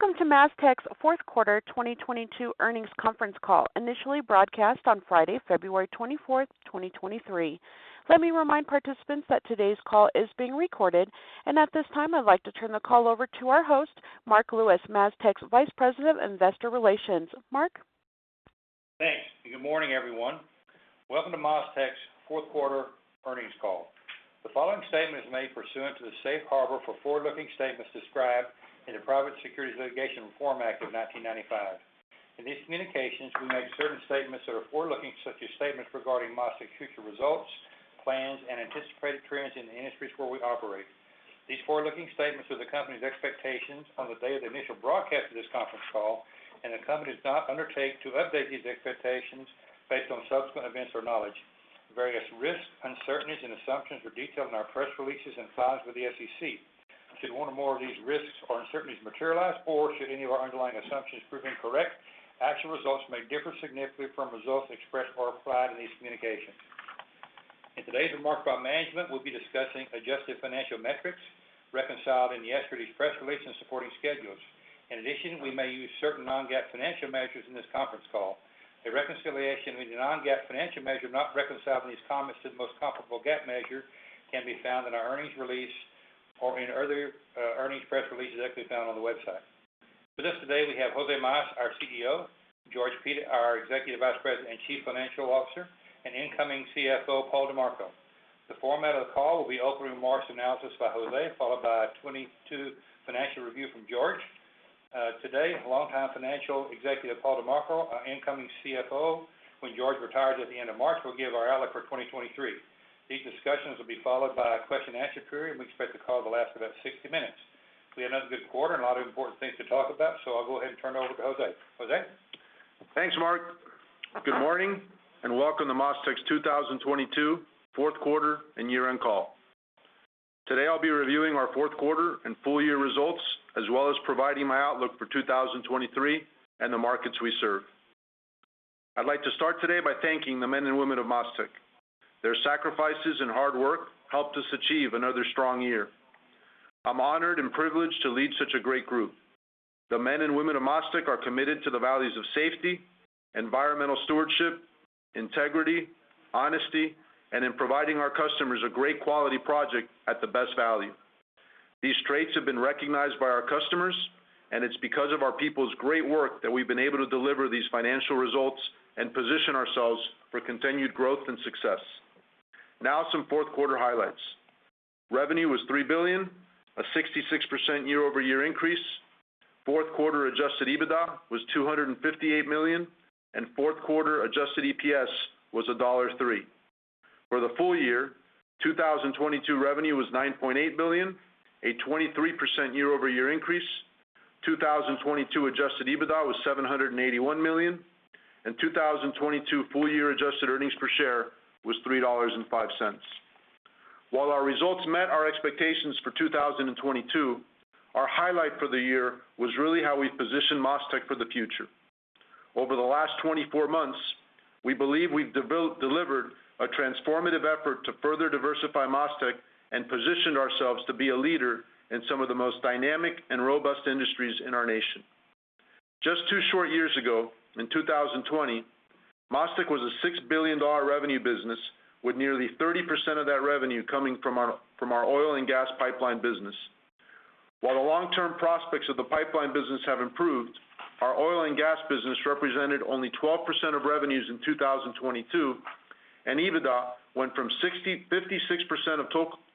Welcome to MasTec's fourth quarter 2022 earnings conference call, initially broadcast on Friday, February 24th, 2023. Let me remind participants that today's call is being recorded. At this time, I'd like to turn the call over to our host, J. Marc Lewis, MasTec's Vice President of Investor Relations. Marc? Thanks. Good morning, everyone. Welcome to MasTec's fourth quarter earnings call. The following statement is made pursuant to the safe harbor for forward-looking statements described in the Private Securities Litigation Reform Act of 1995. In these communications, we make certain statements that are forward-looking, such as statements regarding MasTec's future results, plans, and anticipated trends in the industries where we operate. These forward-looking statements are the company's expectations on the day of the initial broadcast of this conference call, and the company does not undertake to update these expectations based on subsequent events or knowledge. Various risks, uncertainties, and assumptions are detailed in our press releases and files with the SEC. Should one or more of these risks or uncertainties materialize, or should any of our underlying assumptions prove incorrect, actual results may differ significantly from results expressed or implied in these communications. In today's remarks by management, we'll be discussing adjusted financial metrics reconciled in yesterday's press release and supporting schedules. We may use certain non-GAAP financial measures in this conference call. A reconciliation with the non-GAAP financial measure not reconciled in these comments to the most comparable GAAP measure can be found in our earnings release or in earlier earnings press releases that can be found on the website. With us today, we have Jose Mas, our CEO, George Pita, our Executive Vice President and Chief Financial Officer, and incoming CFO, Paul DiMarco. The format of the call will be opening remarks and analysis by Jose, followed by a 2022 financial review from George. Today, longtime financial executive, Paul DiMarco, our incoming CFO when George retires at the end of March, will give our outlook for 2023. These discussions will be followed by a question and answer period. We expect the call to last about 60 minutes. We had another good quarter and a lot of important things to talk about, I'll go ahead and turn it over to Jose. Jose? Thanks, Marc. Good morning and welcome to MasTec's 2022 fourth quarter and year-end call. Today, I'll be reviewing our fourth quarter and full year results, as well as providing my outlook for 2023 and the markets we serve. I'd like to start today by thanking the men and women of MasTec. Their sacrifices and hard work helped us achieve another strong year. I'm honored and privileged to lead such a great group. The men and women of MasTec are committed to the values of safety, environmental stewardship, integrity, honesty, and in providing our customers a great quality project at the best value. These traits have been recognized by our customers, and it's because of our people's great work that we've been able to deliver these financial results and position ourselves for continued growth and success. Now, some fourth quarter highlights. Revenue was $3 billion, a 66% year-over-year increase. Fourth quarter Adjusted EBITDA was $258 million, and fourth quarter Adjusted EPS was $1.03. For the full year, 2022 revenue was $9.8 billion, a 23% year-over-year increase. 2022 Adjusted EBITDA was $781 million, and 2022 full year adjusted earnings per share was $3.05. While our results met our expectations for 2022, our highlight for the year was really how we positioned MasTec for the future. Over the last 24 months, we believe we've delivered a transformative effort to further diversify MasTec and positioned ourselves to be a leader in some of the most dynamic and robust industries in our nation. Just two short years ago, in 2020, MasTec was a $6 billion revenue business with nearly 30% of that revenue coming from our oil and gas pipeline business. While the long-term prospects of the pipeline business have improved, our oil and gas business represented only 12% of revenues in 2022, and EBITDA went from 56% of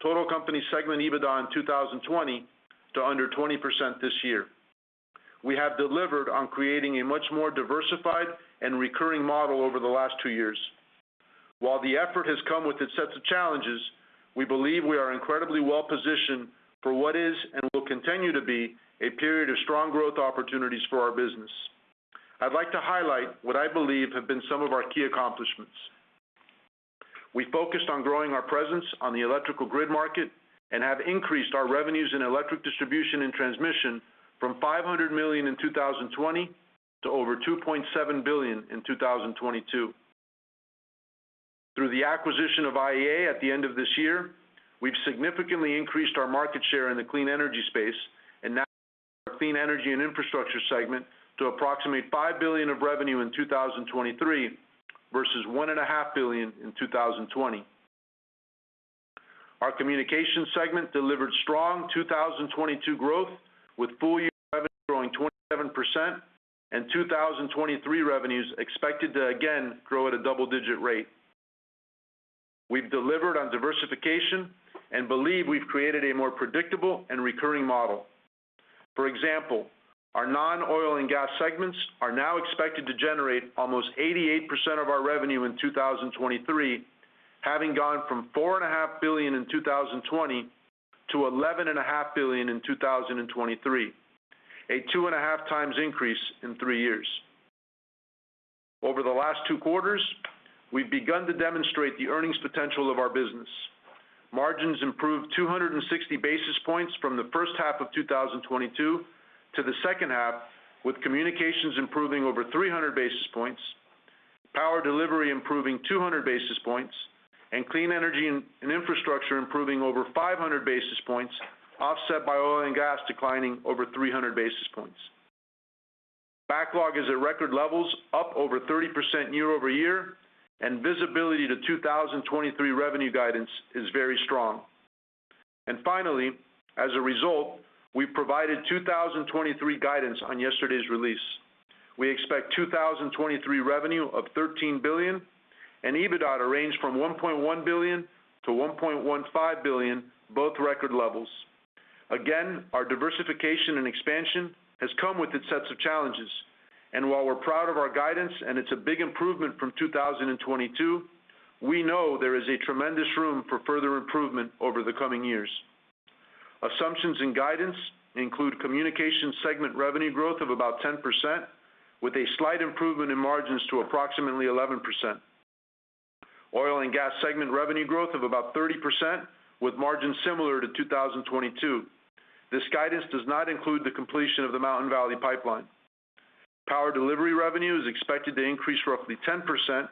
total company segment EBITDA in 2020 to under 20% this year. We have delivered on creating a much more diversified and recurring model over the last two years. While the effort has come with its sets of challenges, we believe we are incredibly well-positioned for what is and will continue to be a period of strong growth opportunities for our business. I'd like to highlight what I believe have been some of our key accomplishments. We focused on growing our presence on the electrical grid market and have increased our revenues in electric distribution and transmission from $500 million in 2020 to over $2.7 billion in 2022. Through the acquisition of IEA at the end of this year, we've significantly increased our market share in the clean energy space and now our clean energy and infrastructure segment to approximately $5 billion of revenue in 2023 versus $1.5 billion in 2020. Our communication segment delivered strong 2022 growth, with full year revenue growing 27% and 2023 revenues expected to again grow at a double-digit rate. We've delivered on diversification and believe we've created a more predictable and recurring model. For example, our non-oil and gas segments are now expected to generate almost 88% of our revenue in 2023, having gone from $4.5 billion in 2020 - $11.5 billion in 2023, a 2.5x increase in three years. Over the last two quarters, we've begun to demonstrate the earnings potential of our business. Margins improved 260 basis points from the first half of 2022 to the second half, with communications improving over 300 basis points. Power delivery improving 200 basis points and clean energy and infrastructure improving over 500 basis points, offset by oil and gas declining over 300 basis points. Backlog is at record levels, up over 30% year-over-year, and visibility to 2023 revenue guidance is very strong. Finally, as a result, we provided 2023 guidance on yesterday's release. We expect 2023 revenue of $13 billion and EBITDA range from $1.1 billion-$1.15 billion, both record levels. Again, our diversification and expansion has come with its sets of challenges. While we're proud of our guidance and it's a big improvement from 2022, we know there is a tremendous room for further improvement over the coming years. Assumptions and guidance include communication segment revenue growth of about 10% with a slight improvement in margins to approximately 11%. Oil and gas segment revenue growth of about 30% with margins similar to 2022. This guidance does not include the completion of the Mountain Valley Pipeline. Power delivery revenue is expected to increase roughly 10%,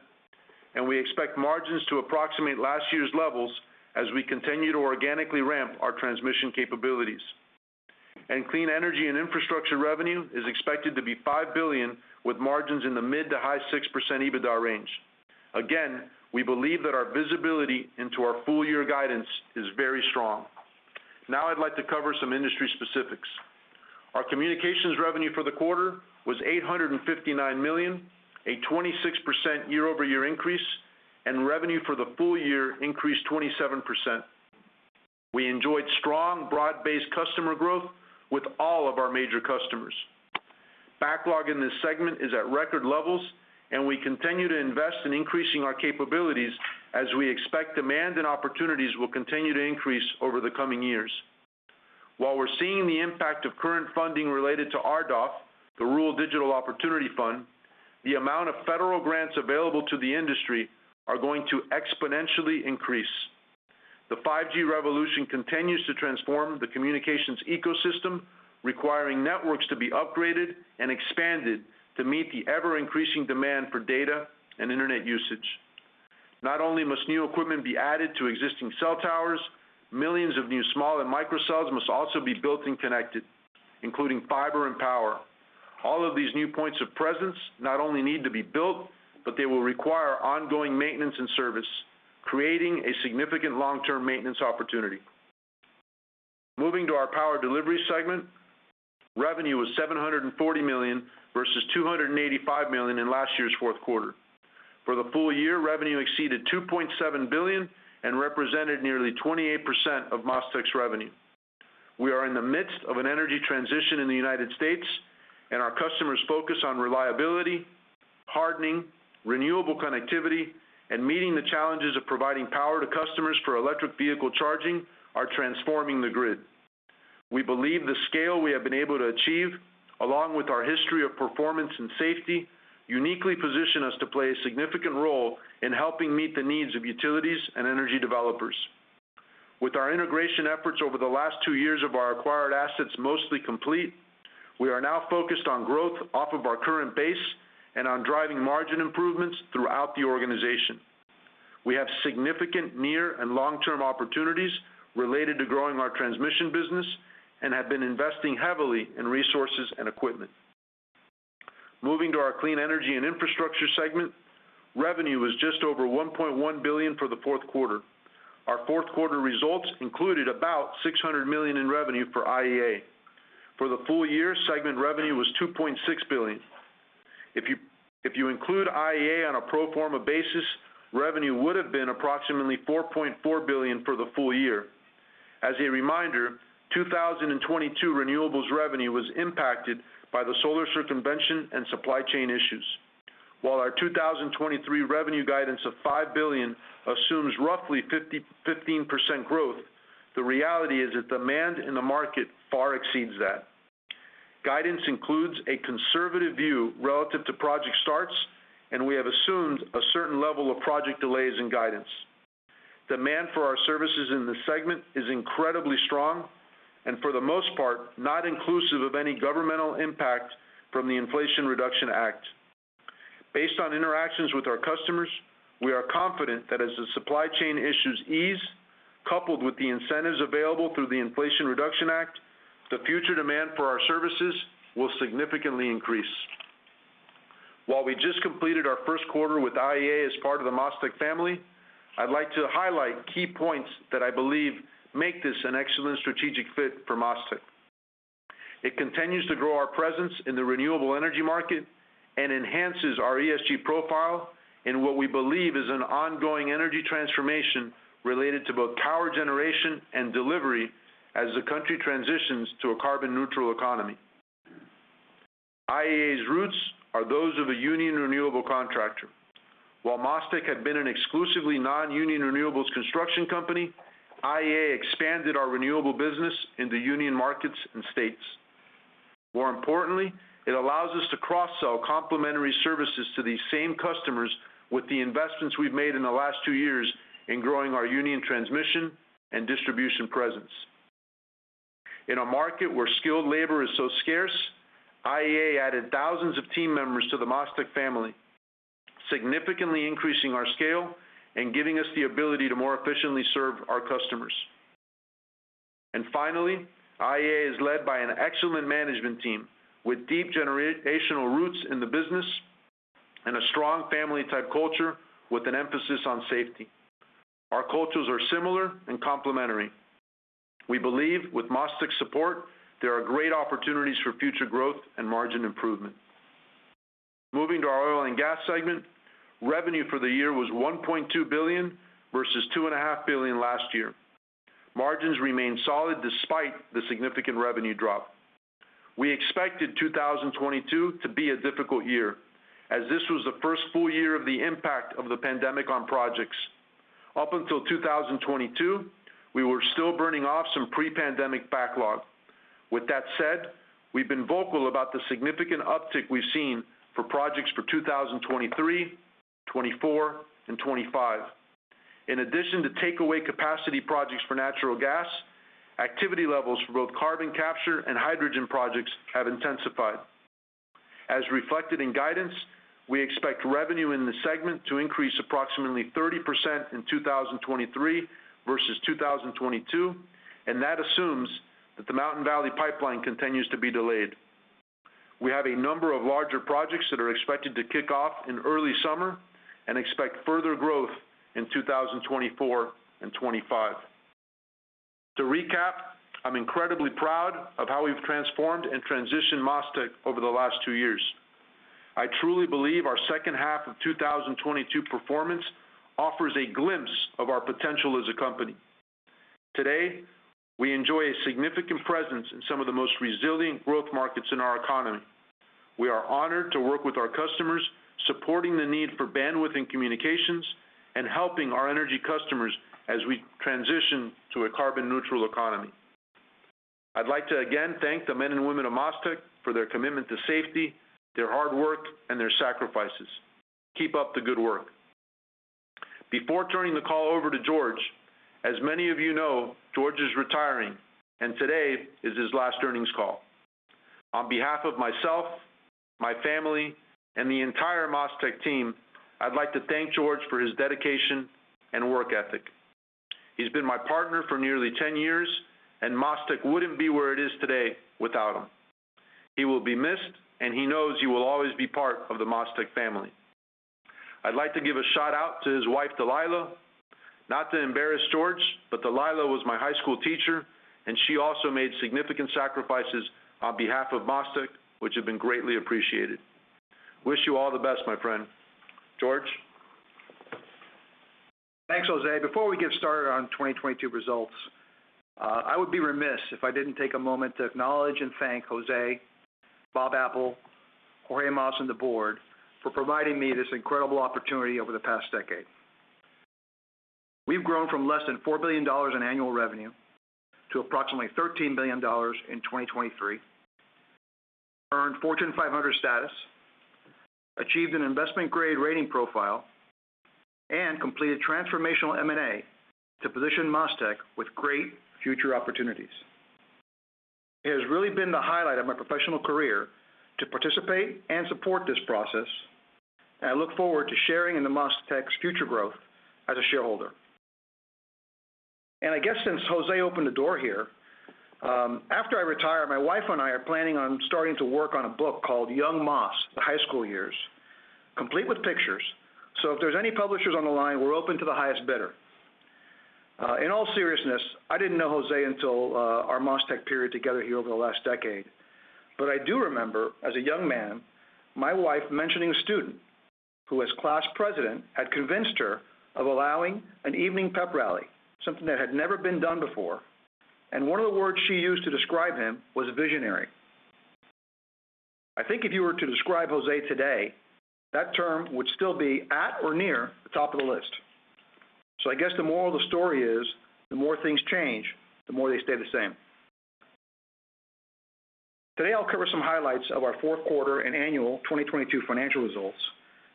we expect margins to approximate last year's levels as we continue to organically ramp our transmission capabilities. Clean energy and infrastructure revenue is expected to be $5 billion with margins in the mid-to-high 6% EBITDA range. Again, we believe that our visibility into our full year guidance is very strong. Now I'd like to cover some industry specifics. Our communications revenue for the quarter was $859 million, a 26% year-over-year increase, revenue for the full year increased 27%. We enjoyed strong broad-based customer growth with all of our major customers. Backlog in this segment is at record levels, and we continue to invest in increasing our capabilities as we expect demand and opportunities will continue to increase over the coming years. While we're seeing the impact of current funding related to RDOF, the Rural Digital Opportunity Fund, the amount of federal grants available to the industry are going to exponentially increase. The 5G revolution continues to transform the communications ecosystem, requiring networks to be upgraded and expanded to meet the ever-increasing demand for data and internet usage. Not only must new equipment be added to existing cell towers, millions of new small and micro cells must also be built and connected, including fiber and power. All of these new points of presence not only need to be built, but they will require ongoing maintenance and service, creating a significant long-term maintenance opportunity. Moving to our power delivery segment, revenue was $740 million versus $285 million in last year's fourth quarter. For the full year, revenue exceeded $2.7 billion and represented nearly 28% of MasTec's revenue. We are in the midst of an energy transition in the United States, and our customers' focus on reliability, hardening, renewable connectivity, and meeting the challenges of providing power to customers for electric vehicle charging are transforming the grid. We believe the scale we have been able to achieve, along with our history of performance and safety, uniquely position us to play a significant role in helping meet the needs of utilities and energy developers. With our integration efforts over the last two years of our acquired assets mostly complete, we are now focused on growth off of our current base and on driving margin improvements throughout the organization. We have significant near and long-term opportunities related to growing our transmission business and have been investing heavily in resources and equipment. Moving to our Clean Energy and Infrastructure segment, revenue was just over $1.1 billion for the fourth quarter. Our fourth quarter results included about $600 million in revenue for IEA. For the full year, segment revenue was $2.6 billion. If you include IEA on a pro forma basis, revenue would have been approximately $4.4 billion for the full year. As a reminder, 2022 renewables revenue was impacted by the solar circumvention and supply chain issues. While our 2023 revenue guidance of $5 billion assumes roughly 15% growth, the reality is that demand in the market far exceeds that. Guidance includes a conservative view relative to project starts, and we have assumed a certain level of project delays in guidance. Demand for our services in this segment is incredibly strong and for the most part, not inclusive of any governmental impact from the Inflation Reduction Act. Based on interactions with our customers, we are confident that as the supply chain issues ease, coupled with the incentives available through the Inflation Reduction Act, the future demand for our services will significantly increase. While we just completed our first quarter with IEA as part of the MasTec family, I'd like to highlight key points that I believe make this an excellent strategic fit for MasTec. It continues to grow our presence in the renewable energy market and enhances our ESG profile in what we believe is an ongoing energy transformation related to both power generation and delivery as the country transitions to a carbon neutral economy. IEA's roots are those of a union renewable contractor. While MasTec had been an exclusively non-union renewables construction company, IEA expanded our renewable business into union markets and states. More importantly, it allows us to cross-sell complementary services to these same customers with the investments we've made in the last two years in growing our union transmission and distribution presence. In a market where skilled labor is so scarce, IEA added thousands of team members to the MasTec family, significantly increasing our scale and giving us the ability to more efficiently serve our customers. Finally, IEA is led by an excellent management team with deep generational roots in the business and a strong family-type culture with an emphasis on safety. Our cultures are similar and complementary. We believe with MasTec's support, there are great opportunities for future growth and margin improvement. Moving to our oil and gas segment, revenue for the year was $1.2 billion versus $2.5 billion last year. Margins remained solid despite the significant revenue drop. We expected 2022 to be a difficult year as this was the first full year of the impact of the pandemic on projects. Up until 2022, we were still burning off some pre-pandemic backlog. With that said, we've been vocal about the significant uptick we've seen for projects for 2023, 2024, and 2025. In addition to takeaway capacity projects for natural gas, activity levels for both carbon capture and hydrogen projects have intensified. As reflected in guidance, we expect revenue in the segment to increase approximately 30% in 2023 versus 2022, and that assumes that the Mountain Valley Pipeline continues to be delayed. We have a number of larger projects that are expected to kick off in early summer and expect further growth in 2024 and 2025. To recap, I'm incredibly proud of how we've transformed and transitioned MasTec over the last two years. I truly believe our second half of 2022 performance offers a glimpse of our potential as a company. Today, we enjoy a significant presence in some of the most resilient growth markets in our economy. We are honored to work with our customers, supporting the need for bandwidth in communications and helping our energy customers as we transition to a carbon neutral economy. I'd like to again thank the men and women of MasTec for their commitment to safety, their hard work, and their sacrifices. Keep up the good work. Before turning the call over to George, as many of you know, George is retiring, and today is his last earnings call. On behalf of myself, my family, and the entire MasTec team, I'd like to thank George for his dedication and work ethic. He's been my partner for nearly 10 years. MasTec wouldn't be where it is today without him. He will be missed. He knows he will always be part of the MasTec family. I'd like to give a shout out to his wife, Delilah. Not to embarrass George, but Delilah was my high school teacher, and she also made significant sacrifices on behalf of MasTec, which have been greatly appreciated. Wish you all the best, my friend. George? Thanks, Jose. Before we get started on 2022 results, I would be remiss if I didn't take a moment to acknowledge and thank Jose, Robert Apple, Jorge Mas, and the board for providing me this incredible opportunity over the past decade. We've grown from less than $4 billion in annual revenue to approximately $13 billion in 2023, earned Fortune 500 status, achieved an investment-grade rating profile, and completed transformational M&A to position MasTec with great future opportunities. It has really been the highlight of my professional career to participate and support this process. I look forward to sharing in the MasTec's future growth as a shareholder. I guess since Jose opened the door here, after I retire, my wife and I are planning on starting to work on a book called Young Mas: The High School Years, complete with pictures. If there's any publishers on the line, we're open to the highest bidder. In all seriousness, I didn't know Jose until our MasTec period together here over the last decade. I do remember as a young man, my wife mentioning a student who as class president, had convinced her of allowing an evening pep rally, something that had never been done before. One of the words she used to describe him was a visionary. I think if you were to describe Jose today, that term would still be at or near the top of the list. I guess the moral of the story is, the more things change, the more they stay the same. Today, I'll cover some highlights of our fourth quarter and annual 2022 financial results,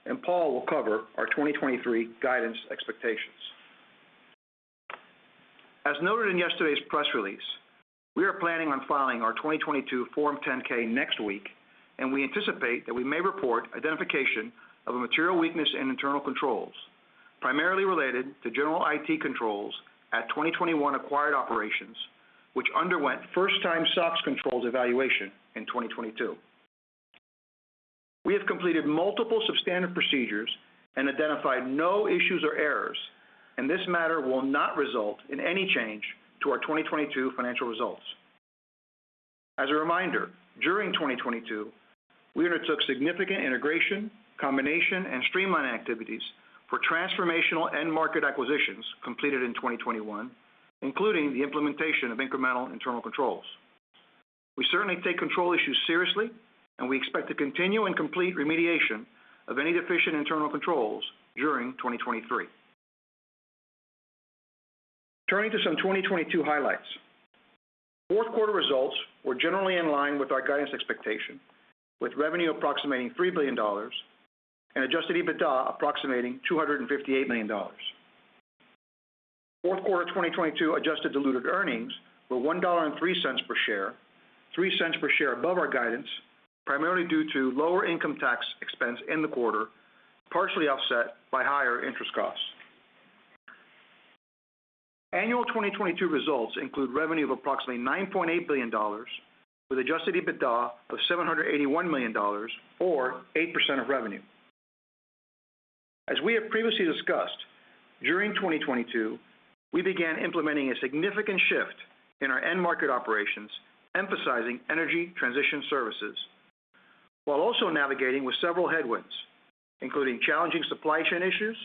and Paul will cover our 2023 guidance expectations. As noted in yesterday's press release, we are planning on filing our 2022 Form 10-K next week, and we anticipate that we may report identification of a material weakness in internal controls, primarily related to general IT controls at 2021 acquired operations, which underwent first-time SOX controls evaluation in 2022. We have completed multiple substandard procedures and identified no issues or errors, and this matter will not result in any change to our 2022 financial results. As a reminder, during 2022, we undertook significant integration, combination, and streamline activities for transformational end-market acquisitions completed in 2021, including the implementation of incremental internal controls. We certainly take control issues seriously, and we expect to continue and complete remediation of any deficient internal controls during 2023. Turning to some 2022 highlights. Fourth quarter results were generally in line with our guidance expectation, with revenue approximating $3 billion and Adjusted EBITDA approximating $258 million. Fourth quarter 2022 adjusted diluted earnings were $1.03 per share, $0.03 per share above our guidance, primarily due to lower income tax expense in the quarter, partially offset by higher interest costs. Annual 2022 results include revenue of approximately $9.8 billion with Adjusted EBITDA of $781 million or 8% of revenue. As we have previously discussed, during 2022, we began implementing a significant shift in our end market operations, emphasizing energy transition services, while also navigating with several headwinds, including challenging supply chain issues,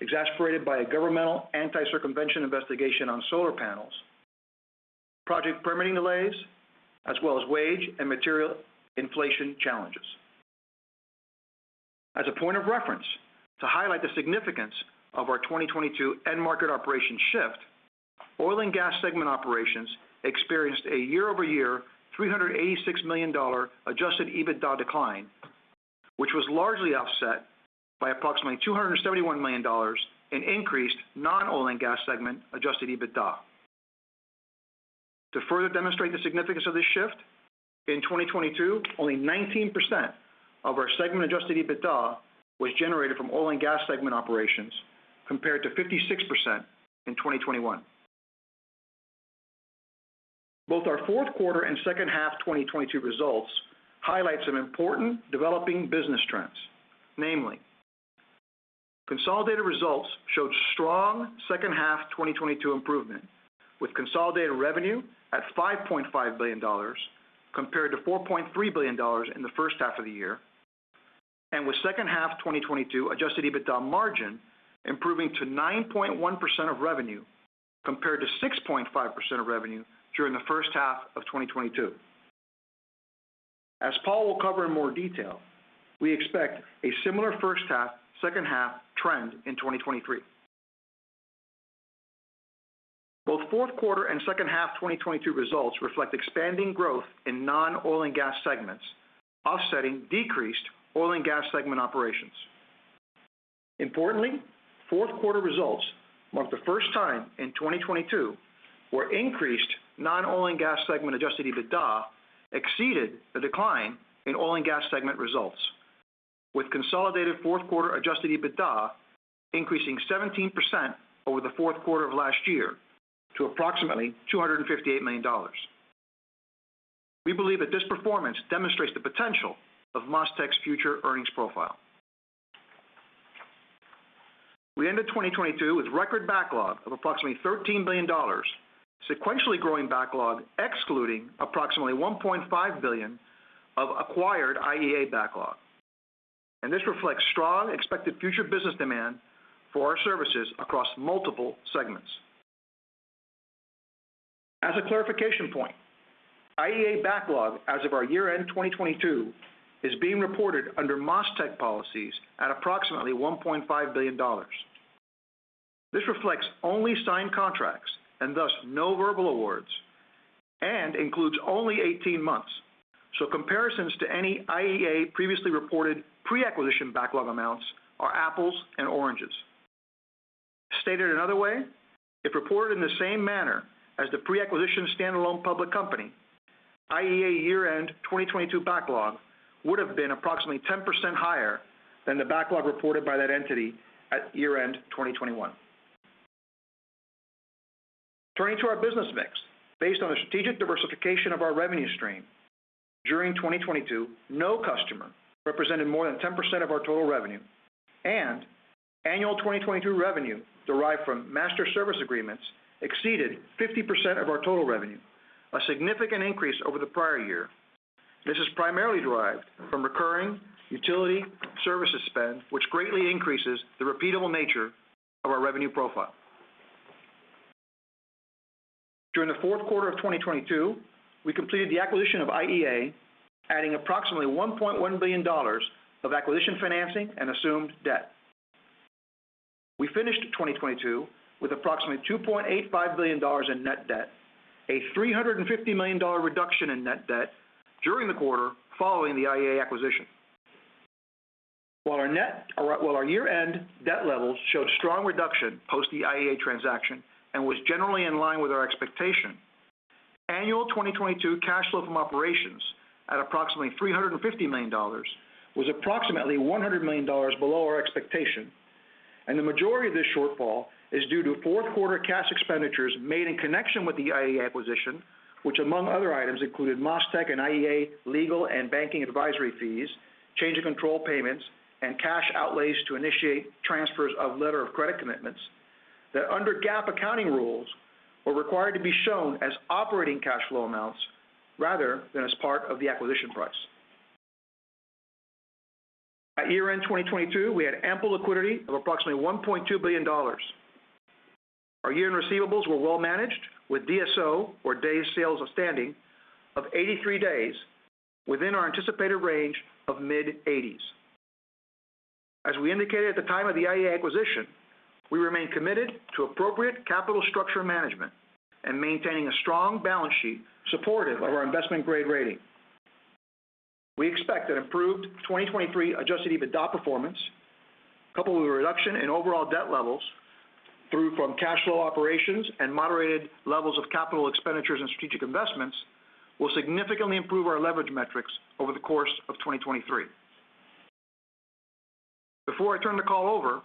exasperated by a governmental anti-circumvention investigation on solar panels, project permitting delays, as well as wage and material inflation challenges. As a point of reference, to highlight the significance of our 2022 end market operation shift, oil and gas segment operations experienced a year-over-year $386 million adjusted EBITDA decline, which was largely offset by approximately $271 million in increased non-oil and gas segment adjusted EBITDA. To further demonstrate the significance of this shift, in 2022, only 19% of our segment adjusted EBITDA was generated from oil and gas segment operations, compared to 56% in 2021. Both our fourth quarter and second half 2022 results highlight some important developing business trends. Namely, consolidated results showed strong second half 2022 improvement, with consolidated revenue at $5.5 billion compared to $4.3 billion in the first half of the year, and with second half 2022 Adjusted EBITDA margin improving to 9.1% of revenue compared to 6.5% of revenue during the first half of 2022. As Paul will cover in more detail, we expect a similar first half, second half trend in 2023. Both fourth quarter and second half 2022 results reflect expanding growth in non-oil and gas segments, offsetting decreased oil and gas segment operations. Importantly, fourth quarter results marked the first time in 2022 where increased non-oil and gas segment Adjusted EBITDA exceeded the decline in oil and gas segment results, with consolidated fourth quarter Adjusted EBITDA increasing 17% over the fourth quarter of last year to approximately $258 million. We believe that this performance demonstrates the potential of MasTec's future earnings profile. We ended 2022 with record backlog of approximately $13 billion, sequentially growing backlog excluding approximately $1.5 billion of acquired IEA backlog. This reflects strong expected future business demand for our services across multiple segments. As a clarification point, IEA backlog as of our year-end 2022 is being reported under MasTec policies at approximately $1.5 billion. This reflects only signed contracts and thus no verbal awards and includes only 18 months. Comparisons to any IEA previously reported pre-acquisition backlog amounts are apples and oranges. Stated another way, if reported in the same manner as the pre-acquisition standalone public company, IEA year-end 2022 backlog would have been approximately 10% higher than the backlog reported by that entity at year-end 2021. Turning to our business mix. Based on the strategic diversification of our revenue stream, during 2022, no customer represented more than 10% of our total revenue, and annual 2022 revenue derived from master service agreements exceeded 50% of our total revenue, a significant increase over the prior year. This is primarily derived from recurring utility services spend, which greatly increases the repeatable nature of our revenue profile. During the fourth quarter of 2022, we completed the acquisition of IEA, adding approximately $1.1 billion of acquisition financing and assumed debt. We finished 2022 with approximately $2.85 billion in net debt, a $350 million reduction in net debt during the quarter following the IEA acquisition. While our year-end debt levels showed strong reduction post the IEA transaction and was generally in line with our expectation, annual 2022 cash flow from operations at approximately $350 million was approximately $100 million below our expectation. The majority of this shortfall is due to fourth quarter cash expenditures made in connection with the IEA acquisition, which among other items included MasTec and IEA legal and banking advisory fees, change in control payments, and cash outlays to initiate transfers of letter of credit commitments that under GAAP accounting rules were required to be shown as operating cash flow amounts rather than as part of the acquisition price. At year-end 2022, we had ample liquidity of approximately $1.2 billion. Our year-end receivables were well managed with DSO, or days sales outstanding, of 83 days within our anticipated range of mid-80s. As we indicated at the time of the IEA acquisition, we remain committed to appropriate capital structure management and maintaining a strong balance sheet supportive of our investment-grade rating. We expect an improved 2023 Adjusted EBITDA performance, coupled with a reduction in overall debt levels through from cash flow operations and moderated levels of capital expenditures and strategic investments, will significantly improve our leverage metrics over the course of 2023. Before I turn the call over,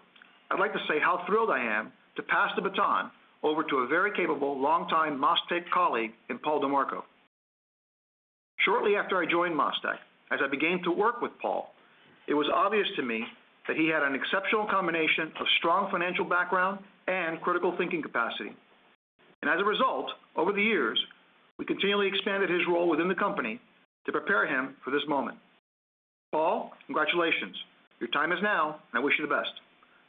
I'd like to say how thrilled I am to pass the baton over to a very capable, longtime MasTec colleague in Paul DiMarco. Shortly after I joined MasTec, as I began to work with Paul, it was obvious to me that he had an exceptional combination of strong financial background and critical thinking capacity. As a result, over the years, we continually expanded his role within the company to prepare him for this moment. Paul, congratulations. Your time is now. I wish you the best.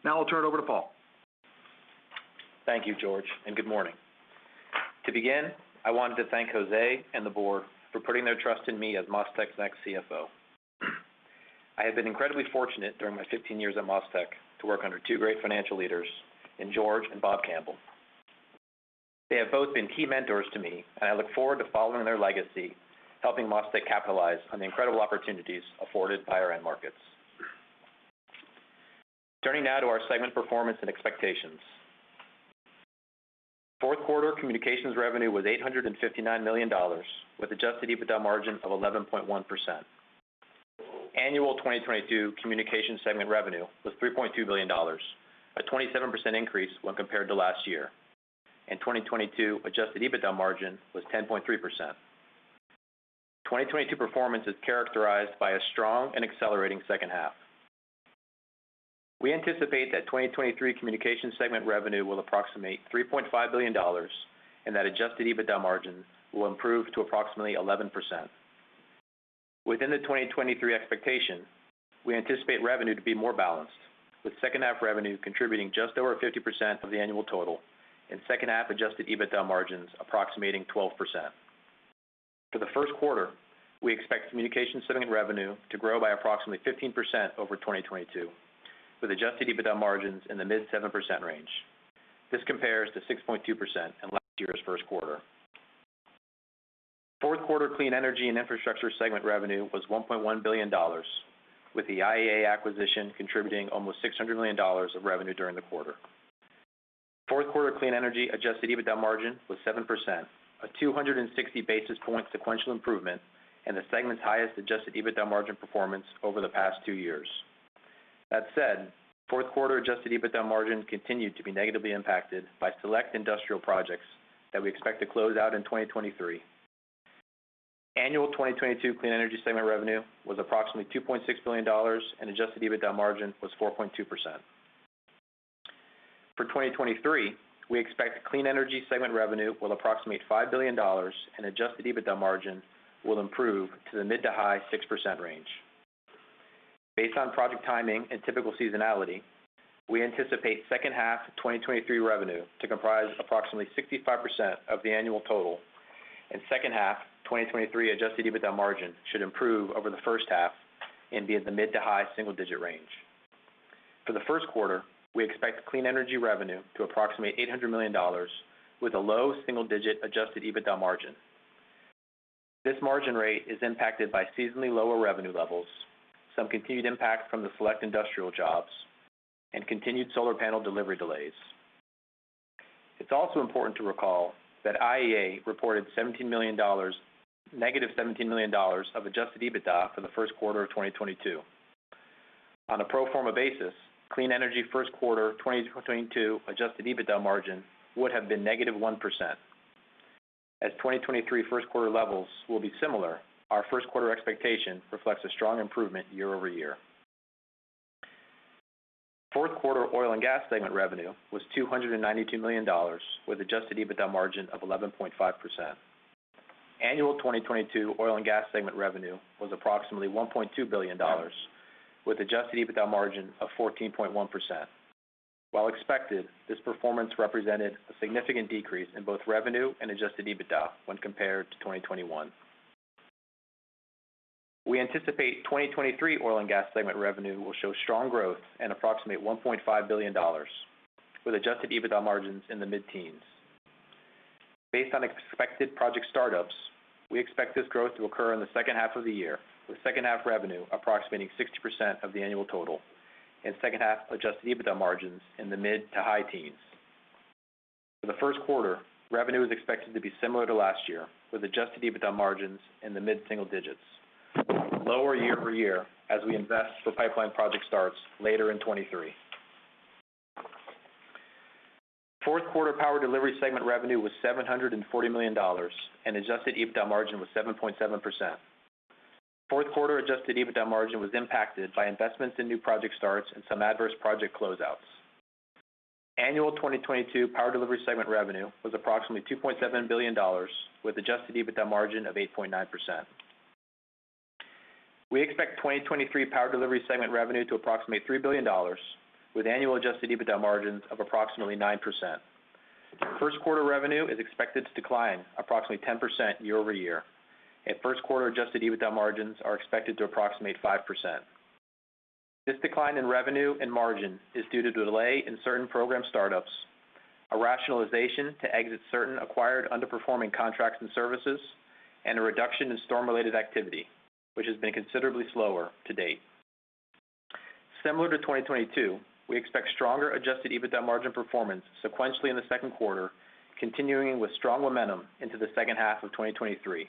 Now I'll turn it over to Paul. Thank you, George. Good morning. To begin, I wanted to thank Jose and the board for putting their trust in me as MasTec's next CFO. I have been incredibly fortunate during my 15 years at MasTec to work under two great financial leaders in George and C. Robert Campbell. They have both been key mentors to me. I look forward to following their legacy, helping MasTec capitalize on the incredible opportunities afforded by our end markets. Turning now to our segment performance and expectations. fourth quarter communications revenue was $859 million, with Adjusted EBITDA margin of 11.1%. Annual 2022 communication segment revenue was $3.2 billion, a 27% increase when compared to last year. In 2022 Adjusted EBITDA margin was 10.3%. 2022 performance is characterized by a strong and accelerating second half. We anticipate that 2023 communication segment revenue will approximate $3.5 billion, and that Adjusted EBITDA margins will improve to approximately 11%. Within the 2023 expectation, we anticipate revenue to be more balanced, with second half revenue contributing just over 50% of the annual total, and second half Adjusted EBITDA margins approximating 12%. For the first quarter, we expect communication segment revenue to grow by approximately 15% over 2022, with Adjusted EBITDA margins in the mid-7% range. This compares to 6.2% in last year's first quarter. Fourth quarter clean energy and infrastructure segment revenue was $1.1 billion, with the IEA acquisition contributing almost $600 million of revenue during the quarter. Fourth quarter clean energy Adjusted EBITDA margin was 7%, a 260 basis point sequential improvement, and the segment's highest Adjusted EBITDA margin performance over the past two years. That said, fourth quarter Adjusted EBITDA margin continued to be negatively impacted by select industrial projects that we expect to close out in 2023. Annual 2022 clean energy segment revenue was approximately $2.6 billion, and Adjusted EBITDA margin was 4.2%. For 2023, we expect clean energy segment revenue will approximate $5 billion, and Adjusted EBITDA margin will improve to the mid to high 6% range. Based on project timing and typical seasonality, we anticipate second half 2023 revenue to comprise approximately 65% of the annual total, and second half 2023 Adjusted EBITDA margin should improve over the first half and be in the mid to high single-digit range. For the first quarter, we expect clean energy revenue to approximate $800 million with a low single-digit Adjusted EBITDA margin. This margin rate is impacted by seasonally lower revenue levels, some continued impact from the select industrial jobs, and continued solar panel delivery delays. It's also important to recall that IEA reported $17 million, negative $17 million of Adjusted EBITDA for the first quarter of 2022. On a pro forma basis, clean energy first quarter 2022 Adjusted EBITDA margin would have been -1%. As 2023 first quarter levels will be similar, our first quarter expectation reflects a strong improvement year-over-year. Fourth quarter oil and gas segment revenue was $292 million, with Adjusted EBITDA margin of 11.5%. Annual 2022 oil and gas segment revenue was approximately $1.2 billion, with Adjusted EBITDA margin of 14.1%. While expected, this performance represented a significant decrease in both revenue and Adjusted EBITDA when compared to 2021. We anticipate 2023 oil and gas segment revenue will show strong growth and approximate $1.5 billion, with Adjusted EBITDA margins in the mid-teens. Based on expected project startups, we expect this growth to occur in the second half of the year, with second half revenue approximating 60% of the annual total and second half Adjusted EBITDA margins in the mid to high teens. For the first quarter, revenue is expected to be similar to last year, with Adjusted EBITDA margins in the mid-single digits, lower year-over-year as we invest for pipeline project starts later in 2023. Fourth quarter power delivery segment revenue was $740 million, and Adjusted EBITDA margin was 7.7%. Fourth quarter Adjusted EBITDA margin was impacted by investments in new project starts and some adverse project closeouts. Annual 2022 power delivery segment revenue was approximately $2.7 billion, with Adjusted EBITDA margin of 8.9%. We expect 2023 power delivery segment revenue to approximate $3 billion, with annual Adjusted EBITDA margins of approximately 9%. First quarter revenue is expected to decline approximately 10% year-over-year, and first quarter Adjusted EBITDA margins are expected to approximate 5%. This decline in revenue and margin is due to delay in certain program startups, a rationalization to exit certain acquired underperforming contracts and services, and a reduction in storm-related activity, which has been considerably slower to date. Similar to 2022, we expect stronger Adjusted EBITDA margin performance sequentially in the second quarter, continuing with strong momentum into the second half of 2023.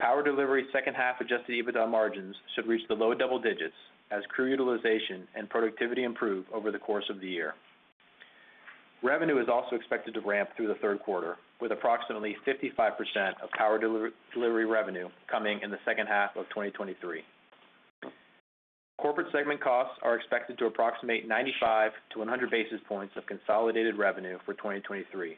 Power delivery second half Adjusted EBITDA margins should reach the low double digits as crew utilization and productivity improve over the course of the year. Revenue is also expected to ramp through the third quarter, with approximately 55% of power delivery revenue coming in the second half of 2023. Corporate segment costs are expected to approximate 95 - 100 basis points of consolidated revenue for 2023.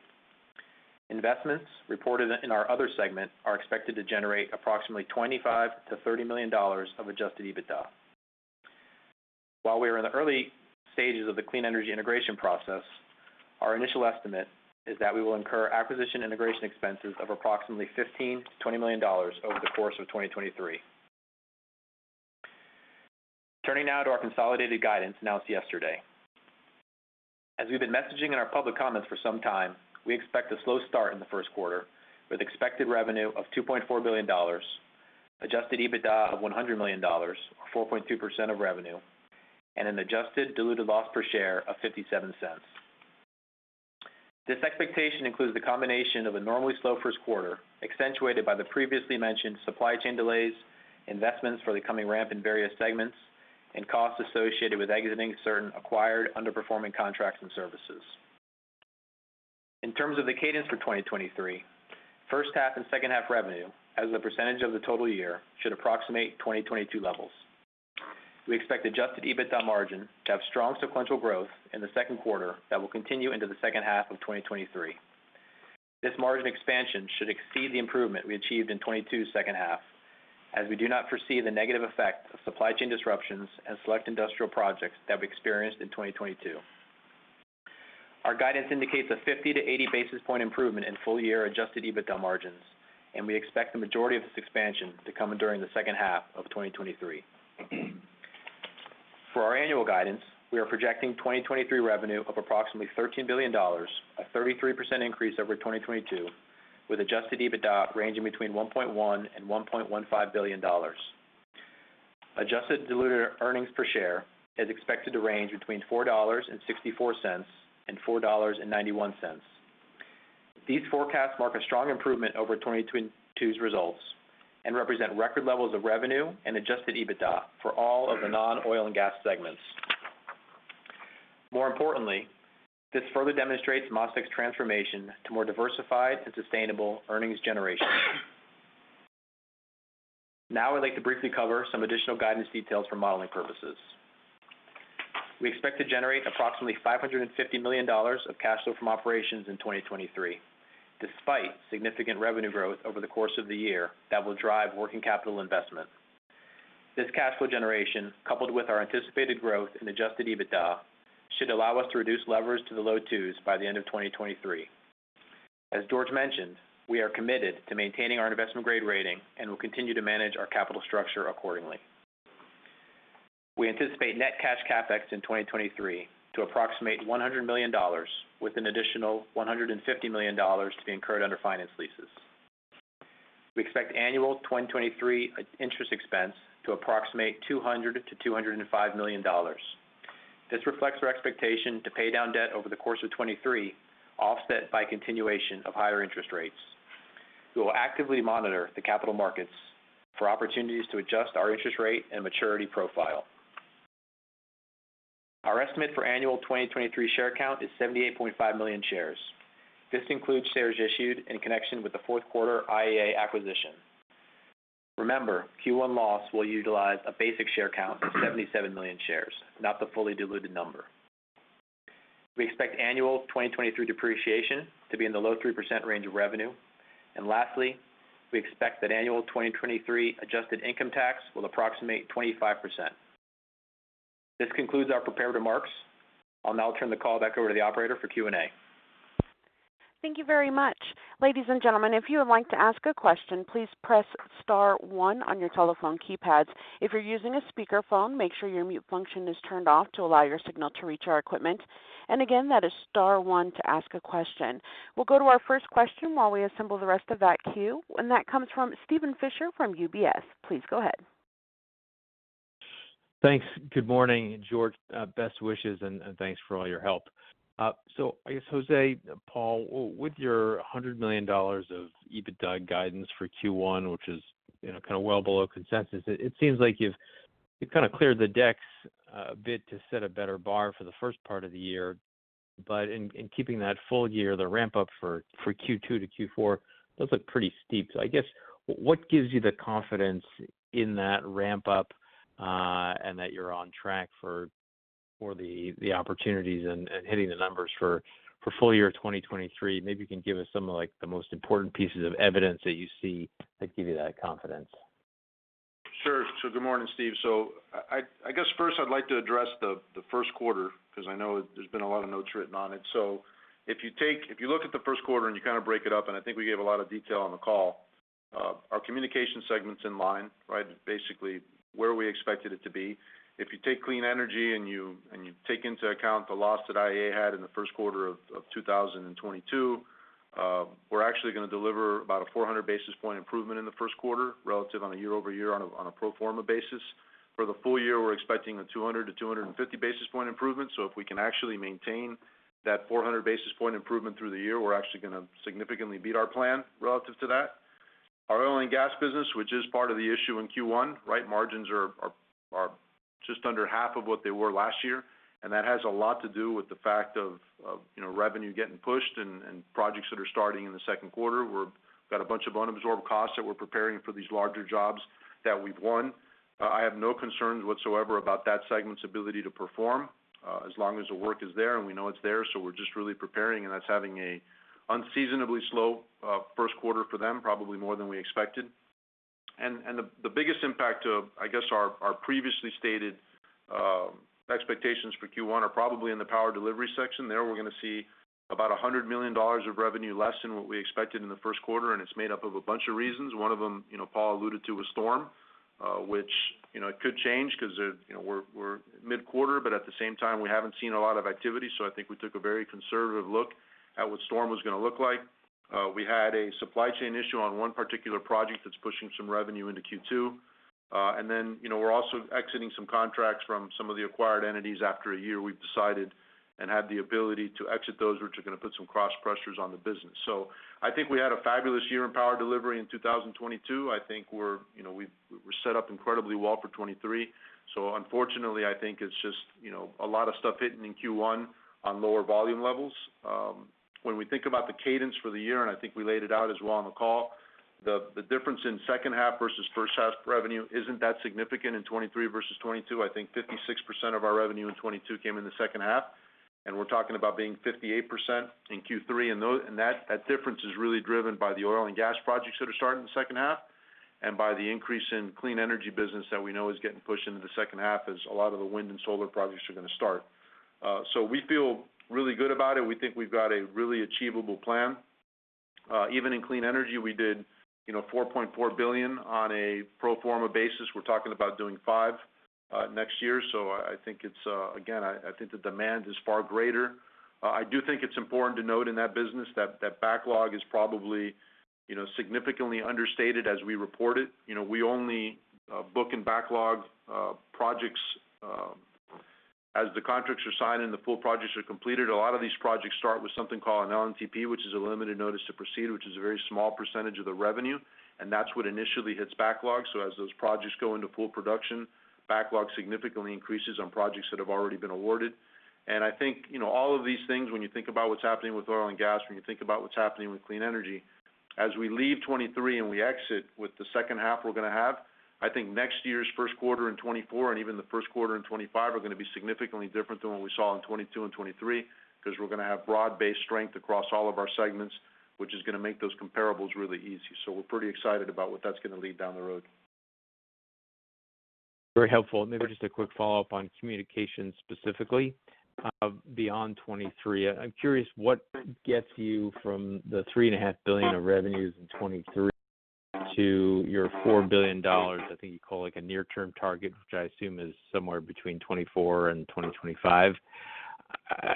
Investments reported in our other segment are expected to generate approximately $25 million-$30 million of Adjusted EBITDA. While we are in the early stages of the clean energy integration process, our initial estimate is that we will incur acquisition integration expenses of approximately $15 million-$20 million over the course of 2023. Turning now to our consolidated guidance announced yesterday. As we've been messaging in our public comments for some time, we expect a slow start in the first quarter with expected revenue of $2.4 billion, Adjusted EBITDA of $100 million or 4.2% of revenue, and an adjusted diluted loss per share of $0.57. This expectation includes the combination of a normally slow first quarter, accentuated by the previously mentioned supply chain delays, investments for the coming ramp in various segments, and costs associated with exiting certain acquired underperforming contracts and services. In terms of the cadence for 2023, first half and second half revenue as a percentage of the total year should approximate 2022 levels. We expect Adjusted EBITDA margin to have strong sequential growth in the second quarter that will continue into the second half of 2023. This margin expansion should exceed the improvement we achieved in 2022 second half, as we do not foresee the negative effect of supply chain disruptions and select industrial projects that we experienced in 2022. Our guidance indicates a 50-80 basis point improvement in full-year Adjusted EBITDA margins, and we expect the majority of this expansion to come in during the second half of 2023. For our annual guidance, we are projecting 2023 revenue of approximately $13 billion, a 33% increase over 2022, with Adjusted EBITDA ranging between $1.1 billion and $1.15 billion. Adjusted diluted EPS is expected to range between $4.64 and $4.91. These forecasts mark a strong improvement over 2022's results and represent record levels of revenue and Adjusted EBITDA for all of the non-oil and gas segments. More importantly, this further demonstrates MasTec's transformation to more diversified and sustainable earnings generation. Now I'd like to briefly cover some additional guidance details for modeling purposes. We expect to generate approximately $550 million of cash flow from operations in 2023, despite significant revenue growth over the course of the year that will drive working capital investment. This cash flow generation, coupled with our anticipated growth in Adjusted EBITDA, should allow us to reduce levers to the low twos by the end of 2023. As George mentioned, we are committed to maintaining our investment-grade rating and will continue to manage our capital structure accordingly. We anticipate net cash CapEx in 2023 to approximate $100 million with an additional $150 million to be incurred under finance leases. We expect annual 2023 interest expense to approximate $200 million-$205 million. This reflects our expectation to pay down debt over the course of 2023, offset by continuation of higher interest rates. We will actively monitor the capital markets for opportunities to adjust our interest rate and maturity profile. Our estimate for annual 2023 share count is 78.5 million shares. This includes shares issued in connection with the fourth quarter IEA acquisition. Remember, Q1 loss will utilize a basic share count of 77 million shares, not the fully diluted number. We expect annual 2023 depreciation to be in the low 3% range of revenue. Lastly, we expect that annual 2023 adjusted income tax will approximate 25%. This concludes our prepared remarks. I'll now turn the call back over to the operator for Q&A. Thank you very much. Ladies and gentlemen, if you would like to ask a question, please press star one on your telephone keypads. If you're using a speakerphone, make sure your mute function is turned off to allow your signal to reach our equipment. Again, that is star one to ask a question. We'll go to our first question while we assemble the rest of that queue, and that comes from Steven Fisher from UBS. Please go ahead. Thanks. Good morning, George. Best wishes and thanks for all your help. I guess, Jose, Paul, with your $100 million of EBITDA guidance for Q1, which is, you know, kind of well below consensus, it seems like you've kind of cleared the decks a bit to set a better bar for the first part of the year. But in keeping that full year, the ramp up for Q2 - Q4 does look pretty steep. I guess, what gives you the confidence in that ramp up, and that you're on track for the opportunities and hitting the numbers for full year 2023? Maybe you can give us some of, like, the most important pieces of evidence that you see that give you that confidence? Sure. Good morning, Steven. I guess first I'd like to address the first quarter because I know there's been a lot of notes written on it. If you look at the first quarter and you kind of break it up, and I think we gave a lot of detail on the call. Our communication segment's in line, right? Basically, where we expected it to be. If you take clean energy and you take into account the loss that IEA had in the first quarter of 2022, we're actually gonna deliver about a 400 basis point improvement in the first quarter relative on a year-over-year on a pro forma basis. For the full year, we're expecting a 200-250 basis point improvement. If we can actually maintain that 400 basis point improvement through the year, we're actually gonna significantly beat our plan relative to that. Our oil and gas business, which is part of the issue in Q1, right? Margins are just under half of what they were last year, and that has a lot to do with the fact of, you know, revenue getting pushed and projects that are starting in the second quarter. Got a bunch of unabsorbed costs that we're preparing for these larger jobs that we've won. I have no concerns whatsoever about that segment's ability to perform as long as the work is there, and we know it's there, so we're just really preparing, and that's having a unseasonably slow first quarter for them, probably more than we expected. The biggest impact of, I guess, our previously stated expectations for Q1 are probably in the power delivery section. There, we're gonna see about $100 million of revenue less than what we expected in the first quarter. It's made up of a bunch of reasons. One of them, you know, Paul alluded to was storm, which, you know, it could change 'cause, you know, we're mid-quarter, but at the same time, we haven't seen a lot of activity. I think we took a very conservative look at what storm was gonna look like. We had a supply chain issue on one particular project that's pushing some revenue into Q2. You know, we're also exiting some contracts from some of the acquired entities. After a year, we've decided and had the ability to exit those which are gonna put some cross-pressures on the business. I think we had a fabulous year in power delivery in 2022. I think we're, you know, we're set up incredibly well for 2023. Unfortunately, I think it's just, you know, a lot of stuff hitting in Q1 on lower volume levels. When we think about the cadence for the year, and I think we laid it out as well on the call, the difference in second half versus first half revenue isn't that significant in 2023 versus 2022. I think 56% of our revenue in 2022 came in the second half, and we're talking about being 58% in Q3. That difference is really driven by the oil and gas projects that are starting in the second half and by the increase in clean energy business that we know is getting pushed into the second half as a lot of the wind and solar projects are gonna start. We feel really good about it. We think we've got a really achievable plan. Even in clean energy, we did, you know, $4.4 billion on a pro forma basis. We're talking about doing $5 billion next year. I think it's. Again, I think the demand is far greater. I do think it's important to note in that business that backlog is probably, you know, significantly understated as we report it. You know, we only book and backlog projects as the contracts are signed and the full projects are completed. A lot of these projects start with something called an LNTP, which is a Limited Notice To Proceed, which is a very small percentage of the revenue, and that's what initially hits backlog. As those projects go into full production, backlog significantly increases on projects that have already been awarded. I think, you know, all of these things, when you think about what's happening with oil and gas, when you think about what's happening with clean energy, as we leave 2023 and we exit with the second half we're gonna have, I think next year's first quarter in 2024 and even the first quarter in 2025 are gonna be significantly different than what we saw in 2022 and 2023, because we're gonna have broad-based strength across all of our segments, which is gonna make those comparables really easy. We're pretty excited about what that's gonna lead down the road. Very helpful. Maybe just a quick follow-up on communication specifically, beyond 2023. I'm curious what gets you from the $3.5 billion of revenues in 2023 to your $4 billion, I think you call it, like, a near-term target, which I assume is somewhere between 2024 and 2025.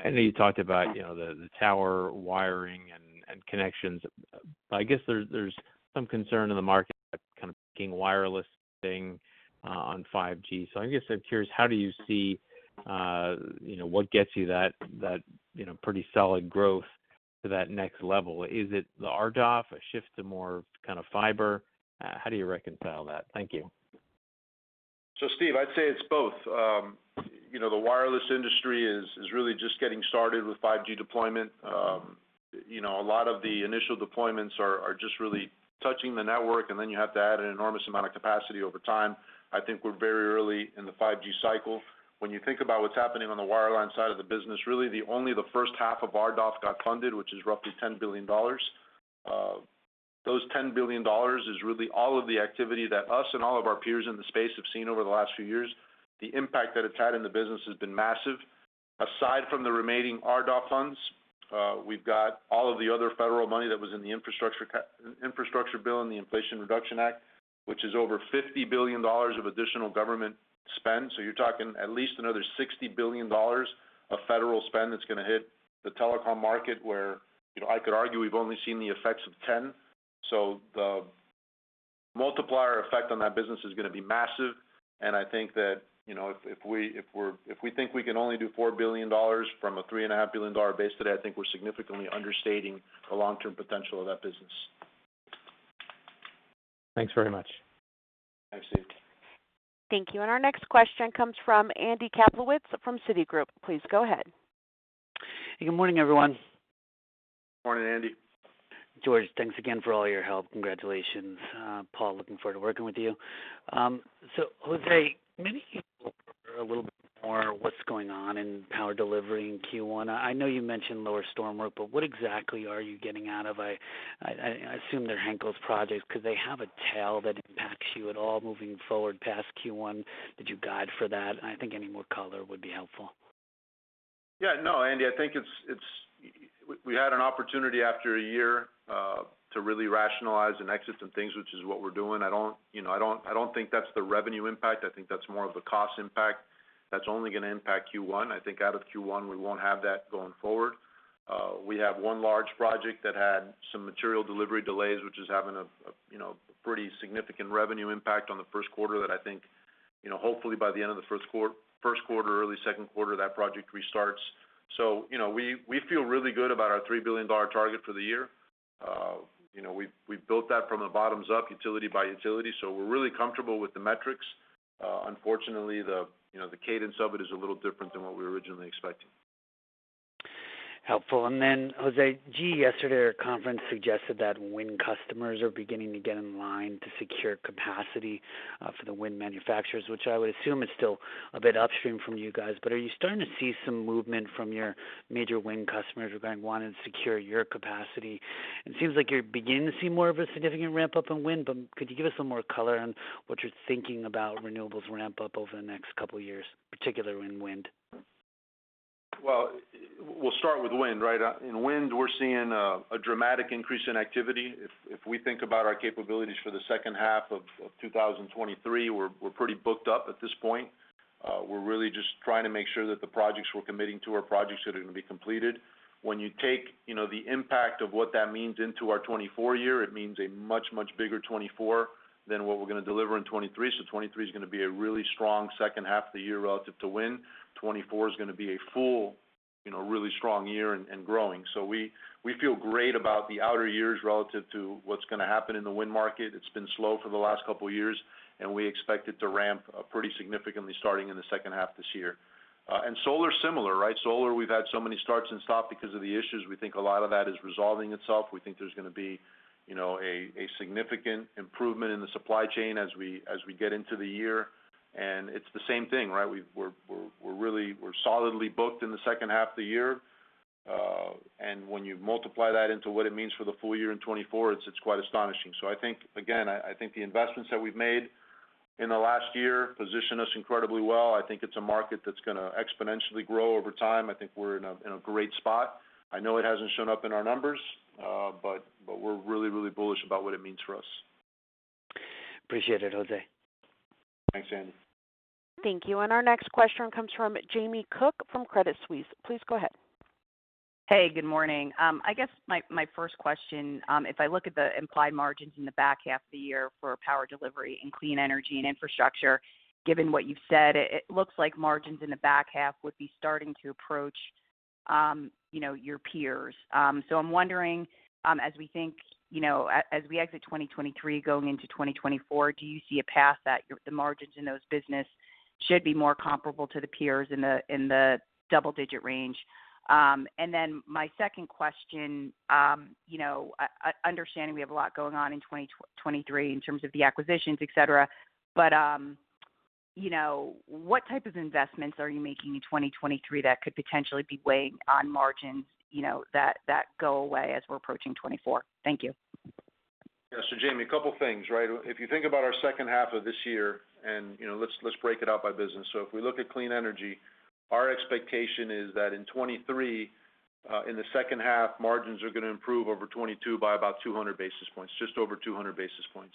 I know you talked about, you know, the tower wiring and connections. I guess there's some concern in the market kind of making wireless thing on 5G. I guess I'm curious, how do you see, you know, what gets you that, you know, pretty solid growth to that next level? Is it the RDOF, a shift to more kind of fiber? How do you reconcile that? Thank you. Steven, I'd say it's both. you know, the wireless industry is really just getting started with 5G deployment. you know, a lot of the initial deployments are just really touching the network, and then you have to add an enormous amount of capacity over time. I think we're very early in the 5G cycle. When you think about what's happening on the wireline side of the business, the first half of RDOF got funded, which is roughly $10 billion. Those $10 billion is really all of the activity that us and all of our peers in the space have seen over the last few years. The impact that it's had in the business has been massive. Aside from the remaining RDOF funds, we've got all of the other federal money that was in the infrastructure bill and the Inflation Reduction Act, which is over $50 billion of additional government spend. You're talking at least another $60 billion of federal spend that's gonna hit the telecom market, where, you know, I could argue we've only seen the effects of $10 billion. The multiplier effect on that business is gonna be massive, and I think that, you know, if we think we can only do $4 billion from a $3.5 billion base today, I think we're significantly understating the long-term potential of that business. Thanks very much. Thanks, Steven. Thank you. Our next question comes from Andrew Kaplowitz from Citigroup. Please go ahead. Good morning, everyone. Morning, Andrew. George, thanks again for all your help. Congratulations. Paul, looking forward to working with you. Jose, maybe you can elaborate a little bit more what's going on in power delivery in Q1. I know you mentioned lower storm work, but what exactly are you getting out of? I assume they're Henkels projects. Could they have a tail that impacts you at all moving forward past Q1? Did you guide for that? I think any more color would be helpful. Yeah, no, Andrew, I think it's We had an opportunity after a year to really rationalize and exit some things, which is what we're doing. I don't, you know, I don't think that's the revenue impact. I think that's more of a cost impact. That's only gonna impact Q1. I think out of Q1, we won't have that going forward. We have one large project that had some material delivery delays, which is having a, you know, pretty significant revenue impact on the first quarter that I think, you know, hopefully by the end of the first quarter, early second quarter, that project restarts. You know, we feel really good about our $3 billion target for the year. You know, we built that from the bottoms up, utility by utility, we're really comfortable with the metrics. Unfortunately, the, you know, the cadence of it is a little different than what we originally expected. Helpful. Jose, GE yesterday at a conference suggested that wind customers are beginning to get in line to secure capacity for the wind manufacturers, which I would assume is still a bit upstream from you guys. Are you starting to see some movement from your major wind customers who are going to want to secure your capacity? It seems like you're beginning to see more of a significant ramp-up in wind, but could you give us some more color on what you're thinking about renewables ramp up over the next couple of years, particularly in wind? Well, we'll start with wind, right? In wind, we're seeing a dramatic increase in activity. If we think about our capabilities for the second half of 2023, we're pretty booked up at this point. We're really just trying to make sure that the projects we're committing to are projects that are gonna be completed. When you take, you know, the impact of what that means into our 2024 year, it means a much bigger 2024 than what we're gonna deliver in 2023. 2023 is gonna be a really strong second half of the year relative to wind. 2024 is gonna be a full, you know, really strong year and growing. We feel great about the outer years relative to what's gonna happen in the wind market. It's been slow for the last couple of years. We expect it to ramp up pretty significantly starting in the second half this year. Solar similar, right? Solar, we've had so many starts and stop because of the issues. We think a lot of that is resolving itself. We think there's gonna be, you know, a significant improvement in the supply chain as we get into the year. It's the same thing, right? We're really solidly booked in the second half of the year. When you multiply that into what it means for the full year in 2024, it's quite astonishing. I think, again, I think the investments that we've made in the last year position us incredibly well. I think it's a market that's gonna exponentially grow over time. I think we're in a great spot. I know it hasn't shown up in our numbers, but we're really, really bullish about what it means for us. Appreciate it, Jose. Thanks, Andrew. Thank you. Our next question comes from Jamie Cook from Credit Suisse. Please go ahead. Hey, good morning. I guess my first question, if I look at the implied margins in the back half of the year for power delivery and clean energy and infrastructure, given what you've said, it looks like margins in the back half would be starting to approach, you know, your peers. I'm wondering, as we think, you know, as we exit 2023 going into 2024, do you see a path that the margins in those business should be more comparable to the peers in the double-digit range? My second question, you know, understanding we have a lot going on in 2023 in terms of the acquisitions, et cetera, but, you know, what type of investments are you making in 2023 that could potentially be weighing on margins, you know, that go away as we're approaching 2024? Thank you. Yeah. Jamie, a couple of things, right? If you think about our second half of this year and, you know, let's break it out by business. If we look at clean energy, our expectation is that in 2023, in the second half, margins are gonna improve over 2022 by about 200 basis points, just over 200 basis points.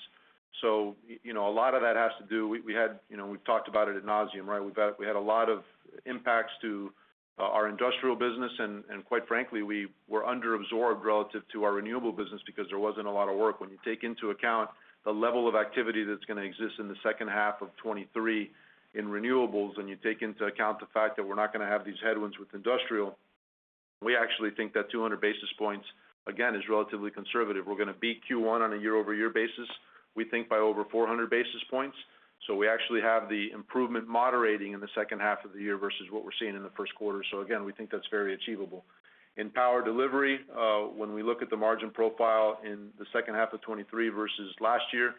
you know, a lot of that has to do. We had, you know, we've talked about it ad nauseam, right? We had a lot of impacts to our industrial business, and quite frankly, we were under-absorbed relative to our renewable business because there wasn't a lot of work. When you take into account the level of activity that's gonna exist in the second half of 2023 in renewables, and you take into account the fact that we're not gonna have these headwinds with industrial, we actually think that 200 basis points, again, is relatively conservative. We're gonna beat Q1 on a year-over-year basis, we think by over 400 basis points. We actually have the improvement moderating in the second half of the year versus what we're seeing in the first quarter. Again, we think that's very achievable. In power delivery, when we look at the margin profile in the second half of 2023 versus last year,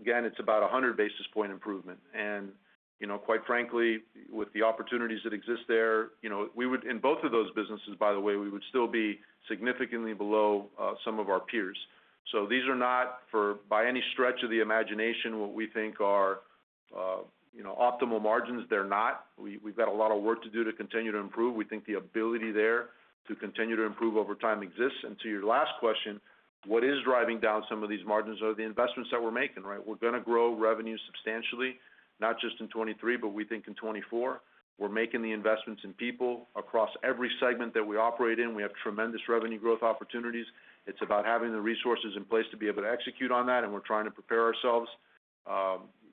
again, it's about a 100 basis point improvement. You know, quite frankly, with the opportunities that exist there, you know, we would in both of those businesses, by the way, we would still be significantly below some of our peers. These are not for, by any stretch of the imagination, what we think are, you know, optimal margins. They're not. We've got a lot of work to do to continue to improve. We think the ability there to continue to improve over time exists. To your last question, what is driving down some of these margins are the investments that we're making, right? We're gonna grow revenue substantially, not just in 2023, but we think in 2024. We're making the investments in people across every segment that we operate in. We have tremendous revenue growth opportunities. It's about having the resources in place to be able to execute on that, and we're trying to prepare ourselves.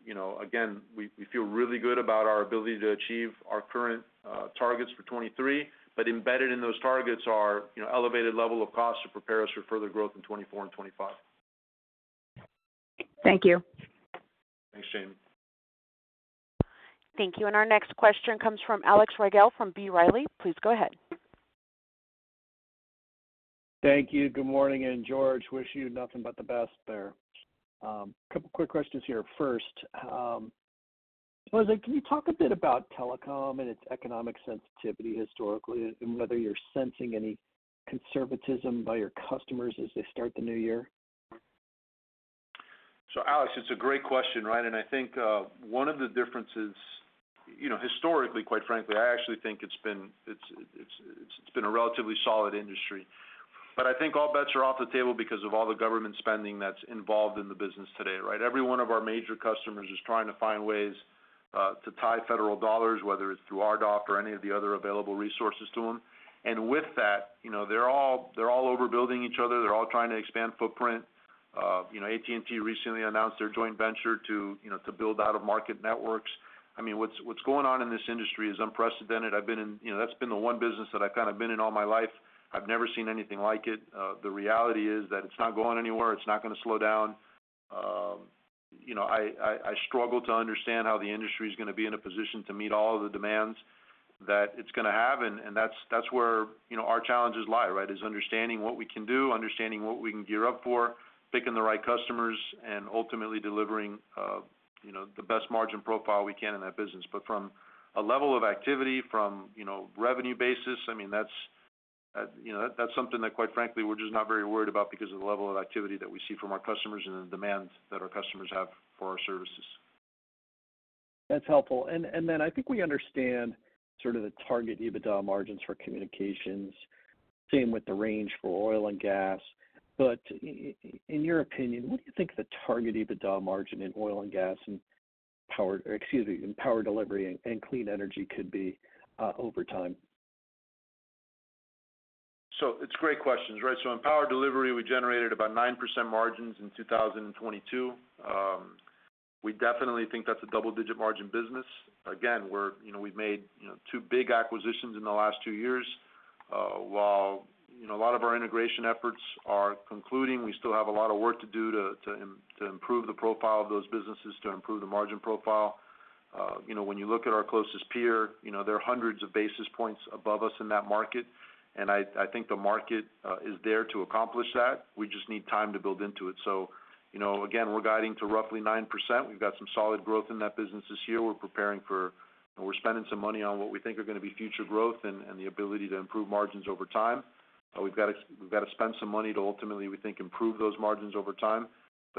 You know, again, we feel really good about our ability to achieve our current targets for2023, but embedded in those targets are, you know, elevated level of cost to prepare us for further growth in 2024 and 2025. Thank you. Thanks, Jamie. Thank you. Our next question comes from Alexander Rygiel from B. Riley. Please go ahead. Thank you. Good morning. George Pita, wish you nothing but the best there. A couple quick questions here. First, Jose Mas, can you talk a bit about telecom and its economic sensitivity historically, and whether you're sensing any conservatism by your customers as they start the new year? Alexander, it's a great question, right? I think, you know, historically, quite frankly, I actually think it's been a relatively solid industry. I think all bets are off the table because of all the government spending that's involved in the business today, right? Every one of our major customers is trying to find ways to tie federal dollars, whether it's through RDOF or any of the other available resources to them. With that, you know, they're all overbuilding each other. They're all trying to expand footprint. You know, AT&T recently announced their joint venture, you know, to build out-of-market networks. I mean, what's going on in this industry is unprecedented. You know, that's been the one business that I've kind of been in all my life. I've never seen anything like it. The reality is that it's not going anywhere. It's not gonna slow down. You know, I struggle to understand how the industry is gonna be in a position to meet all the demands that it's gonna have, and that's where, you know, our challenges lie, right? Is understanding what we can do, understanding what we can gear up for, picking the right customers, and ultimately delivering, you know, the best margin profile we can in that business. From a level of activity, from, you know, revenue basis, I mean, that's, you know, that's something that quite frankly, we're just not very worried about because of the level of activity that we see from our customers and the demands that our customers have for our services. That's helpful. Then I think we understand sort of the target EBITDA margins for communications, same with the range for oil and gas. In your opinion, what do you think the target EBITDA margin in oil and gas and power. Excuse me, in power delivery and clean energy could be over time? It's great questions, right? In power delivery, we generated about 9% margins in 2022. We definitely think that's a double-digit margin business. Again, we're, you know, we've made, you know, two big acquisitions in the last two years. While, you know, a lot of our integration efforts are concluding, we still have a lot of work to do to improve the profile of those businesses, to improve the margin profile. You know, when you look at our closest peer, you know, they're hundreds of basis points above us in that market. I think the market is there to accomplish that. We just need time to build into it. You know, again, we're guiding to roughly 9%. We've got some solid growth in that business this year. We're preparing for... We're spending some money on what we think are gonna be future growth and the ability to improve margins over time. We've got to spend some money to ultimately, we think, improve those margins over time.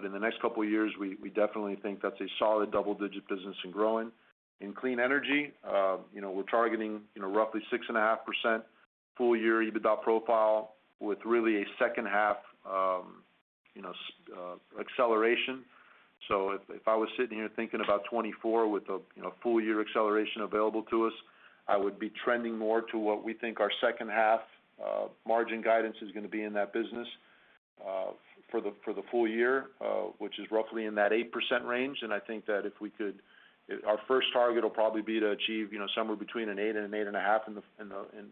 In the next couple of years, we definitely think that's a solid double-digit business and growing. In clean energy, we're targeting roughly 6.5% full year EBITDA profile with really a second half acceleration. If I was sitting here thinking about 2024 with a full year acceleration available to us, I would be trending more to what we think our second half margin guidance is gonna be in that business for the full year, which is roughly in that 8% range. I think that our first target will probably be to achieve, you know, somewhere between an 8% and an 8.5%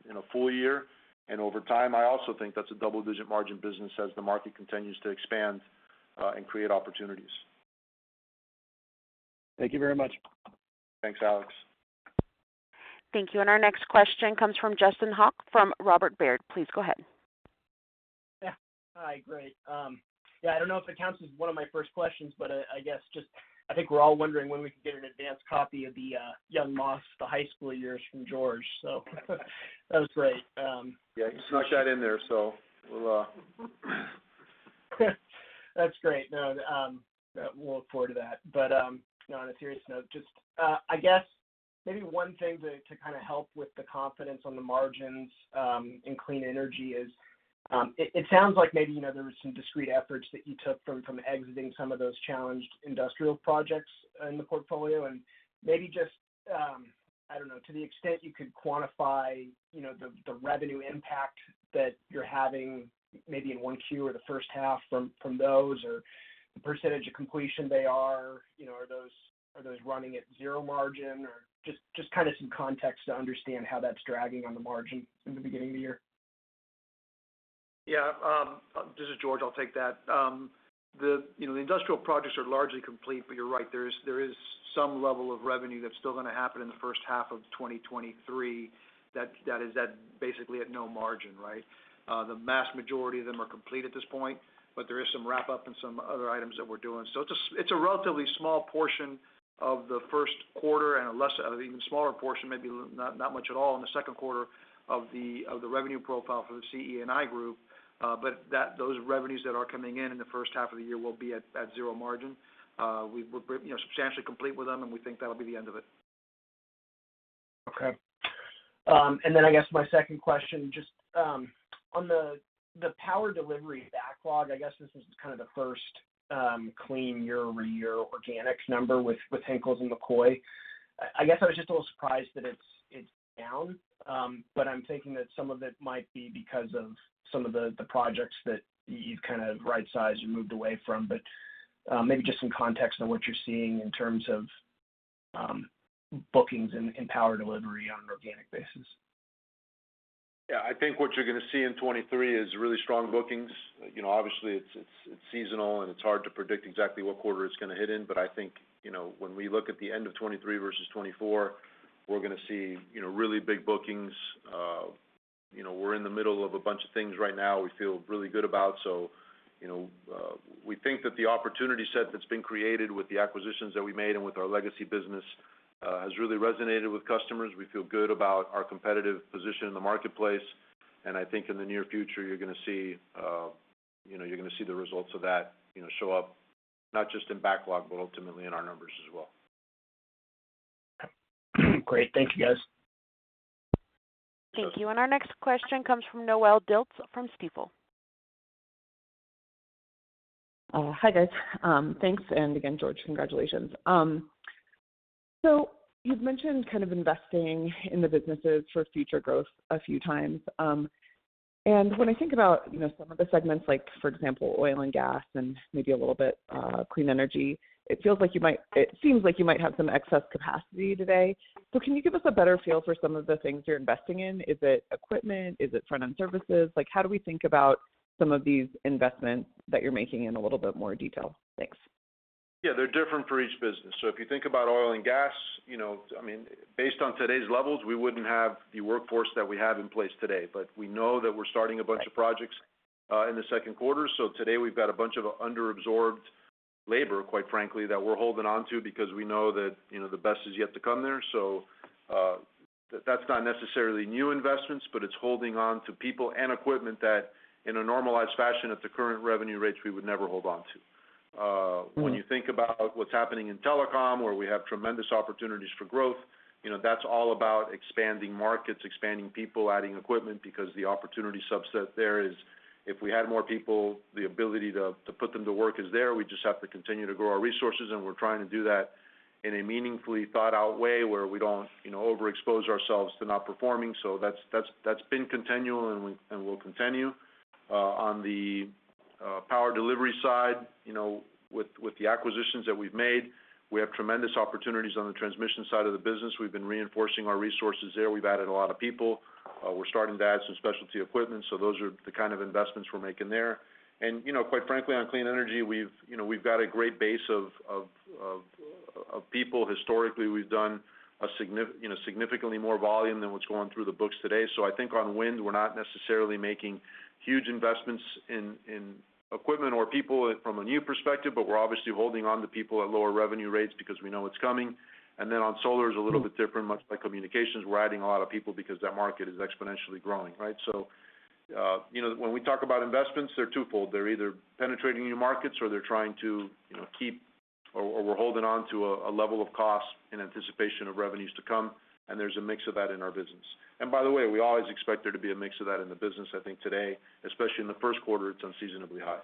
in a full year. Over time, I also think that's a double-digit margin business as the market continues to expand and create opportunities. Thank you very much. Thanks, Alexander. Thank you. Our next question comes from Justin Hauke from Robert W. Baird. Please go ahead. Hi. Great. I don't know if it counts as one of my first questions, but I guess just I think we're all wondering when we can get an advanced copy of the Young Mas, the high school years from George. That was great. Yeah, you snuck that in there, so we'll... That's great. No, we'll look forward to that. On a serious note, just, I guess maybe one thing to kind of help with the confidence on the margins in clean energy is, it sounds like maybe, you know, there were some discrete efforts that you took from exiting some of those challenged industrial projects in the portfolio. Maybe just, I don't know, to the extent you could quantify, you know, the revenue impact that you're having maybe in Q1 or the first half from those or the percentage of completion they are. You know, are those running at zero margin? Or just kind of some context to understand how that's dragging on the margin in the beginning of the year. This is George. I'll take that. You know, the industrial projects are largely complete, but you're right, there is some level of revenue that's still going to happen in the first half of 2023 that is basically at no margin, right? The mass majority of them are complete at this point, but there is some wrap-up and some other items that we're doing. It's a relatively small portion of the first quarter and an even smaller portion, maybe not much at all in the second quarter of the revenue profile for the CE & I group. Those revenues that are coming in in the first half of the year will be at zero margin. We're, you know, substantially complete with them, and we think that'll be the end of it. I guess my second question on the power delivery backlog? I guess this is kind of the first clean year-over-year organics number with Henkels & McCoy. I guess I was just a little surprised that it's down. I'm thinking that some of it might be because of some of the projects that you've kind of right-sized or moved away from. Maybe just some context on what you're seeing in terms of bookings in power delivery on an organic basis? I think what you're gonna see in 2023 is really strong bookings. You know, obviously it's, it's seasonal and it's hard to predict exactly what quarter it's gonna hit in. I think, you know, when we look at the end of 2023 versus 2024, we're gonna see, you know, really big bookings. You know, we're in the middle of a bunch of things right now we feel really good about. You know, we think that the opportunity set that's been created with the acquisitions that we made and with our legacy business has really resonated with customers. We feel good about our competitive position in the marketplace. I think in the near future you're gonna see, you know, you're gonna see the results of that, you know, show up, not just in backlog, but ultimately in our numbers as well. Great. Thank you guys. Thank you. Our next question comes from Noelle Dilts from Stifel. Hi, guys. Thanks, and again, George, congratulations. You've mentioned kind of investing in the businesses for future growth a few times. And when I think about, you know, some of the segments like for example, oil and gas and maybe a little bit, clean energy, it feels like it seems like you might have some excess capacity today. Can you give us a better feel for some of the things you're investing in? Is it equipment? Is it front-end services? Like, how do we think about some of these investments that you're making in a little bit more detail? Thanks. Yeah, they're different for each business. If you think about oil and gas, you know, I mean, based on today's levels, we wouldn't have the workforce that we have in place today. We know that we're starting a bunch of projects in the second quarter. Today we've got a bunch of under-absorbed labor, quite frankly, that we're holding on to because we know that, you know, the best is yet to come there. That's not necessarily new investments, but it's holding on to people and equipment that, in a normalized fashion at the current revenue rates, we would never hold on to. When you think about what's happening in telecom, where we have tremendous opportunities for growth, you know, that's all about expanding markets, expanding people, adding equipment because the opportunity subset there is if we had more people, the ability to put them to work is there. We just have to continue to grow our resources, and we're trying to do that in a meaningfully thought out way where we don't, you know, overexpose ourselves to not performing. So that's been continual and will continue. On the power delivery side, you know, with the acquisitions that we've made, we have tremendous opportunities on the transmission side of the business. We've been reinforcing our resources there. We've added a lot of people. We're starting to add some specialty equipment. So those are the kind of investments we're making there. You know, quite frankly, on clean energy, we've, you know, we've got a great base of people. Historically, we've done a significantly more volume than what's going through the books today. I think on wind, we're not necessarily making huge investments in equipment or people from a new perspective, but we're obviously holding on to people at lower revenue rates because we know it's coming. On solar is a little bit different. Much like communications, we're adding a lot of people because that market is exponentially growing, right? You know, when we talk about investments, they're twofold. They're either penetrating new markets or they're trying to, you know, keep a level of cost in anticipation of revenues to come. There's a mix of that in our business. By the way, we always expect there to be a mix of that in the business. I think today, especially in the first quarter, it's unseasonably high.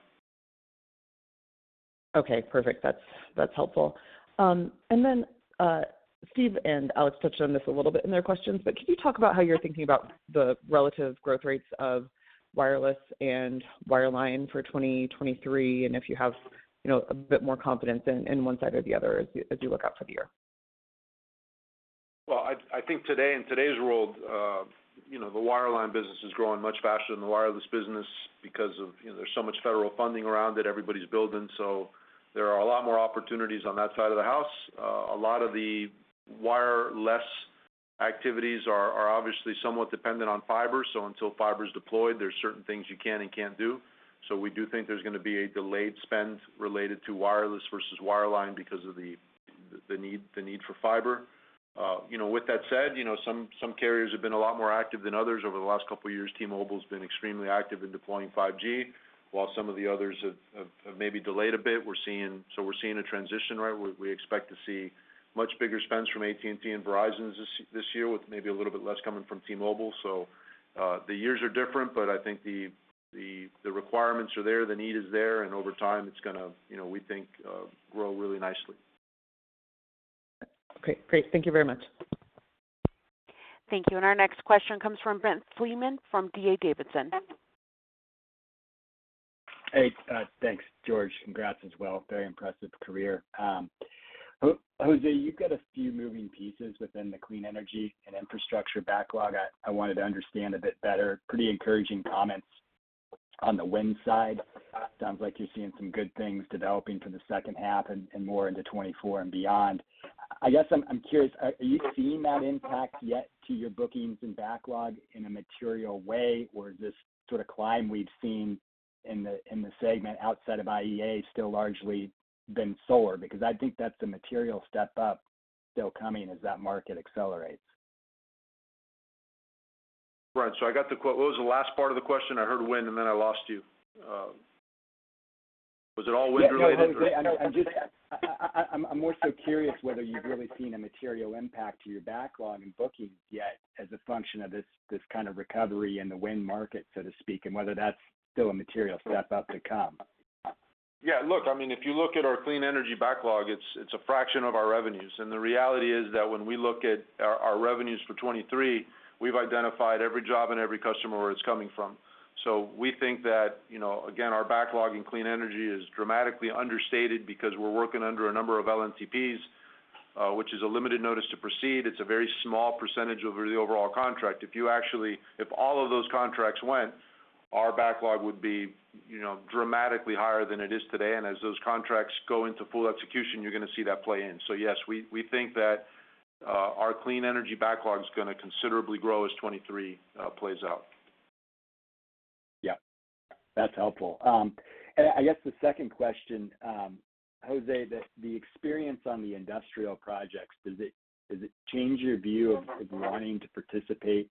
Okay, perfect. That's helpful. Steven and Alexander touched on this a little bit in their questions. Could you talk about how you're thinking about the relative growth rates of wireless and wireline for 2023 and if you have, you know, a bit more confidence in one side or the other as you look out for the year? Well, I think today, in today's world, you know, the wireline business is growing much faster than the wireless business because of, you know, there's so much federal funding around it, everybody's building. There are a lot more opportunities on that side of the house. A lot of the wireless activities are obviously somewhat dependent on fiber. Until fiber is deployed, there's certain things you can and can't do. We do think there's gonna be a delayed spend related to wireless versus wireline because of the need for fiber. You know, with that said, you know, some carriers have been a lot more active than others over the last couple of years. T-Mobile's been extremely active in deploying 5G while some of the others have maybe delayed a bit. We're seeing a transition, right? We expect to see much bigger spends from AT&T and Verizon this year with maybe a little bit less coming from T-Mobile. The years are different, but I think the requirements are there, the need is there, and over time, it's gonna, you know, we think grow really nicely. Okay, great. Thank you very much. Thank you. Our next question comes from Brent Thielman from D.A. Davidson. Hey, thanks, George. Congrats as well. Very impressive career. Jose, you've got a few moving pieces within the clean energy and infrastructure backlog I wanted to understand a bit better. Pretty encouraging comments on the wind side. Sounds like you're seeing some good things developing for the second half and more into 2024 and beyond. I guess I'm curious, are you seeing that impact yet to your bookings and backlog in a material way, or is this sort of climb we've seen in the segment outside of IEA still largely been solar? Because I think that's a material step up still coming as that market accelerates. Right. I got the what was the last part of the question? I heard wind and then I lost you. Was it all wind related or? Yeah. No, Jose, I'm more so curious whether you've really seen a material impact to your backlog and bookings yet as a function of this kind of recovery in the wind market, so to speak, and whether that's still a material step up to come? Look, I mean, if you look at our clean energy backlog, it's a fraction of our revenues. The reality is that when we look at our revenues for 2023, we've identified every job and every customer where it's coming from. We think that, you know, again, our backlog in clean energy is dramatically understated because we're working under a number of LNTPs, which is a limited notice to proceed. It's a very small percentage over the overall contract. If all of those contracts went, our backlog would be, you know, dramatically higher than it is today. As those contracts go into full execution, you're gonna see that play in. Yes, we think that our clean energy backlog is gonna considerably grow as 2023 plays out. Yeah, that's helpful. I guess the second question, Jose, the experience on the industrial projects, does it change your view of wanting to participate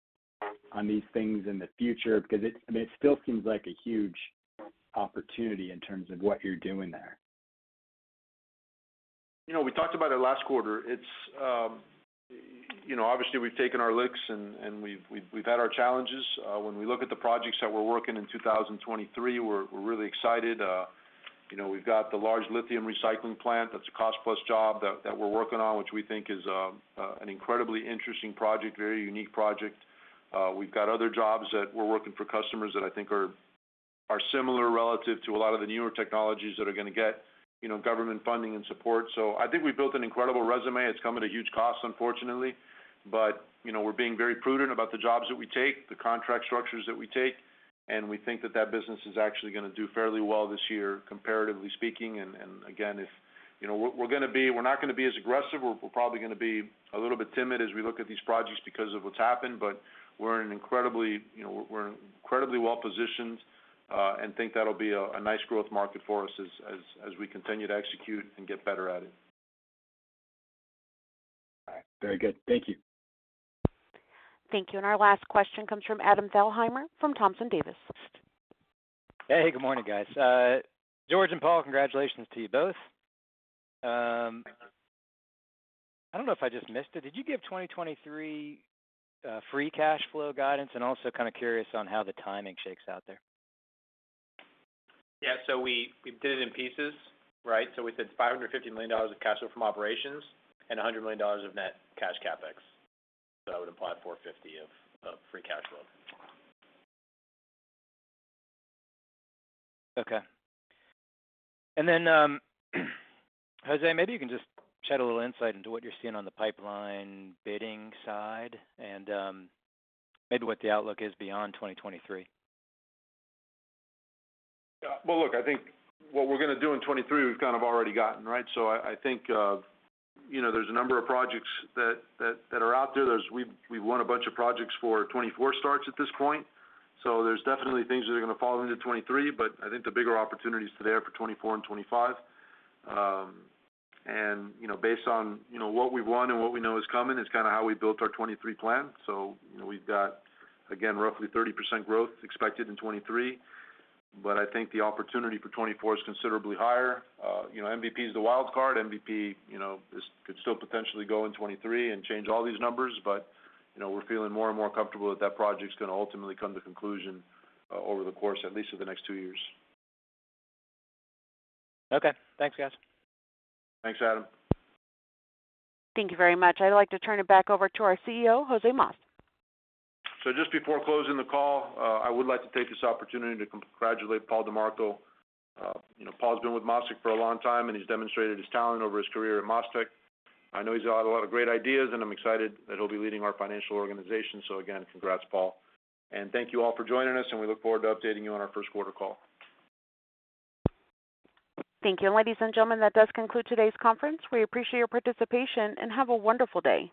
on these things in the future? I mean, it still seems like a huge opportunity in terms of what you're doing there. You know, we talked about it last quarter. It's, you know, obviously, we've taken our licks, and we've had our challenges. When we look at the projects that we're working in 2023, we're really excited. You know, we've got the large lithium recycling plant that's a cost-plus job that we're working on, which we think is an incredibly interesting project, very unique project. We've got other jobs that we're working for customers that I think are similar relative to a lot of the newer technologies that are gonna get, you know, government funding and support. I think we've built an incredible resume. It's come at a huge cost, unfortunately. You know, we're being very prudent about the jobs that we take, the contract structures that we take, and we think that that business is actually gonna do fairly well this year, comparatively speaking. Again, if... You know, we're not gonna be as aggressive. We're probably gonna be a little bit timid as we look at these projects because of what's happened. We're in an incredibly, you know, we're incredibly well-positioned, and think that'll be a nice growth market for us as we continue to execute and get better at it. All right. Very good. Thank you. Thank you. Our last question comes from Adam Thalhimer from Thompson, Davis & Co. Hey, good morning, guys. George and Paul, congratulations to you both. I don't know if I just missed it. Did you give 2023, free cash flow guidance? Also kinda curious on how the timing shakes out there? Yeah. We did it in pieces, right? We said $550 million of cash flow from operations and $100 million of net cash CapEx. That would imply $450 of free cash flow. Okay. Jose, maybe you can just shed a little insight into what you're seeing on the pipeline bidding side and, maybe what the outlook is beyond 2023. Yeah. Well, look, I think what we're gonna do in 2023, we've kind of already gotten, right? I think, you know, there's a number of projects that are out there. We've won a bunch of projects for 2024 starts at this point. There's definitely things that are gonna fall into 2023, but I think the bigger opportunities today are for 2024 and 2025. You know, based on, you know, what we've won and what we know is coming is kinda how we built our 2023 plan. You know, we've got, again, roughly 30% growth expected in 2023, but I think the opportunity for 2024 is considerably higher. You know, MVP is the wild card. MVP, you know, could still potentially go in 2023 and change all these numbers. You know, we're feeling more and more comfortable that that project's gonna ultimately come to conclusion, over the course at least of the next two years. Okay. Thanks, guys. Thanks, Adam. Thank you very much. I'd like to turn it back over to our CEO, José Mas. Just before closing the call, I would like to take this opportunity to congratulate Paul DiMarco. You know, Paul's been with MasTec for a long time, and he's demonstrated his talent over his career at MasTec. I know he's got a lot of great ideas, and I'm excited that he'll be leading our financial organization. Again, congrats, Paul. Thank you all for joining us, and we look forward to updating you on our first quarter call. Thank you. Ladies and gentlemen, that does conclude today's conference. We appreciate your participation, and have a wonderful day.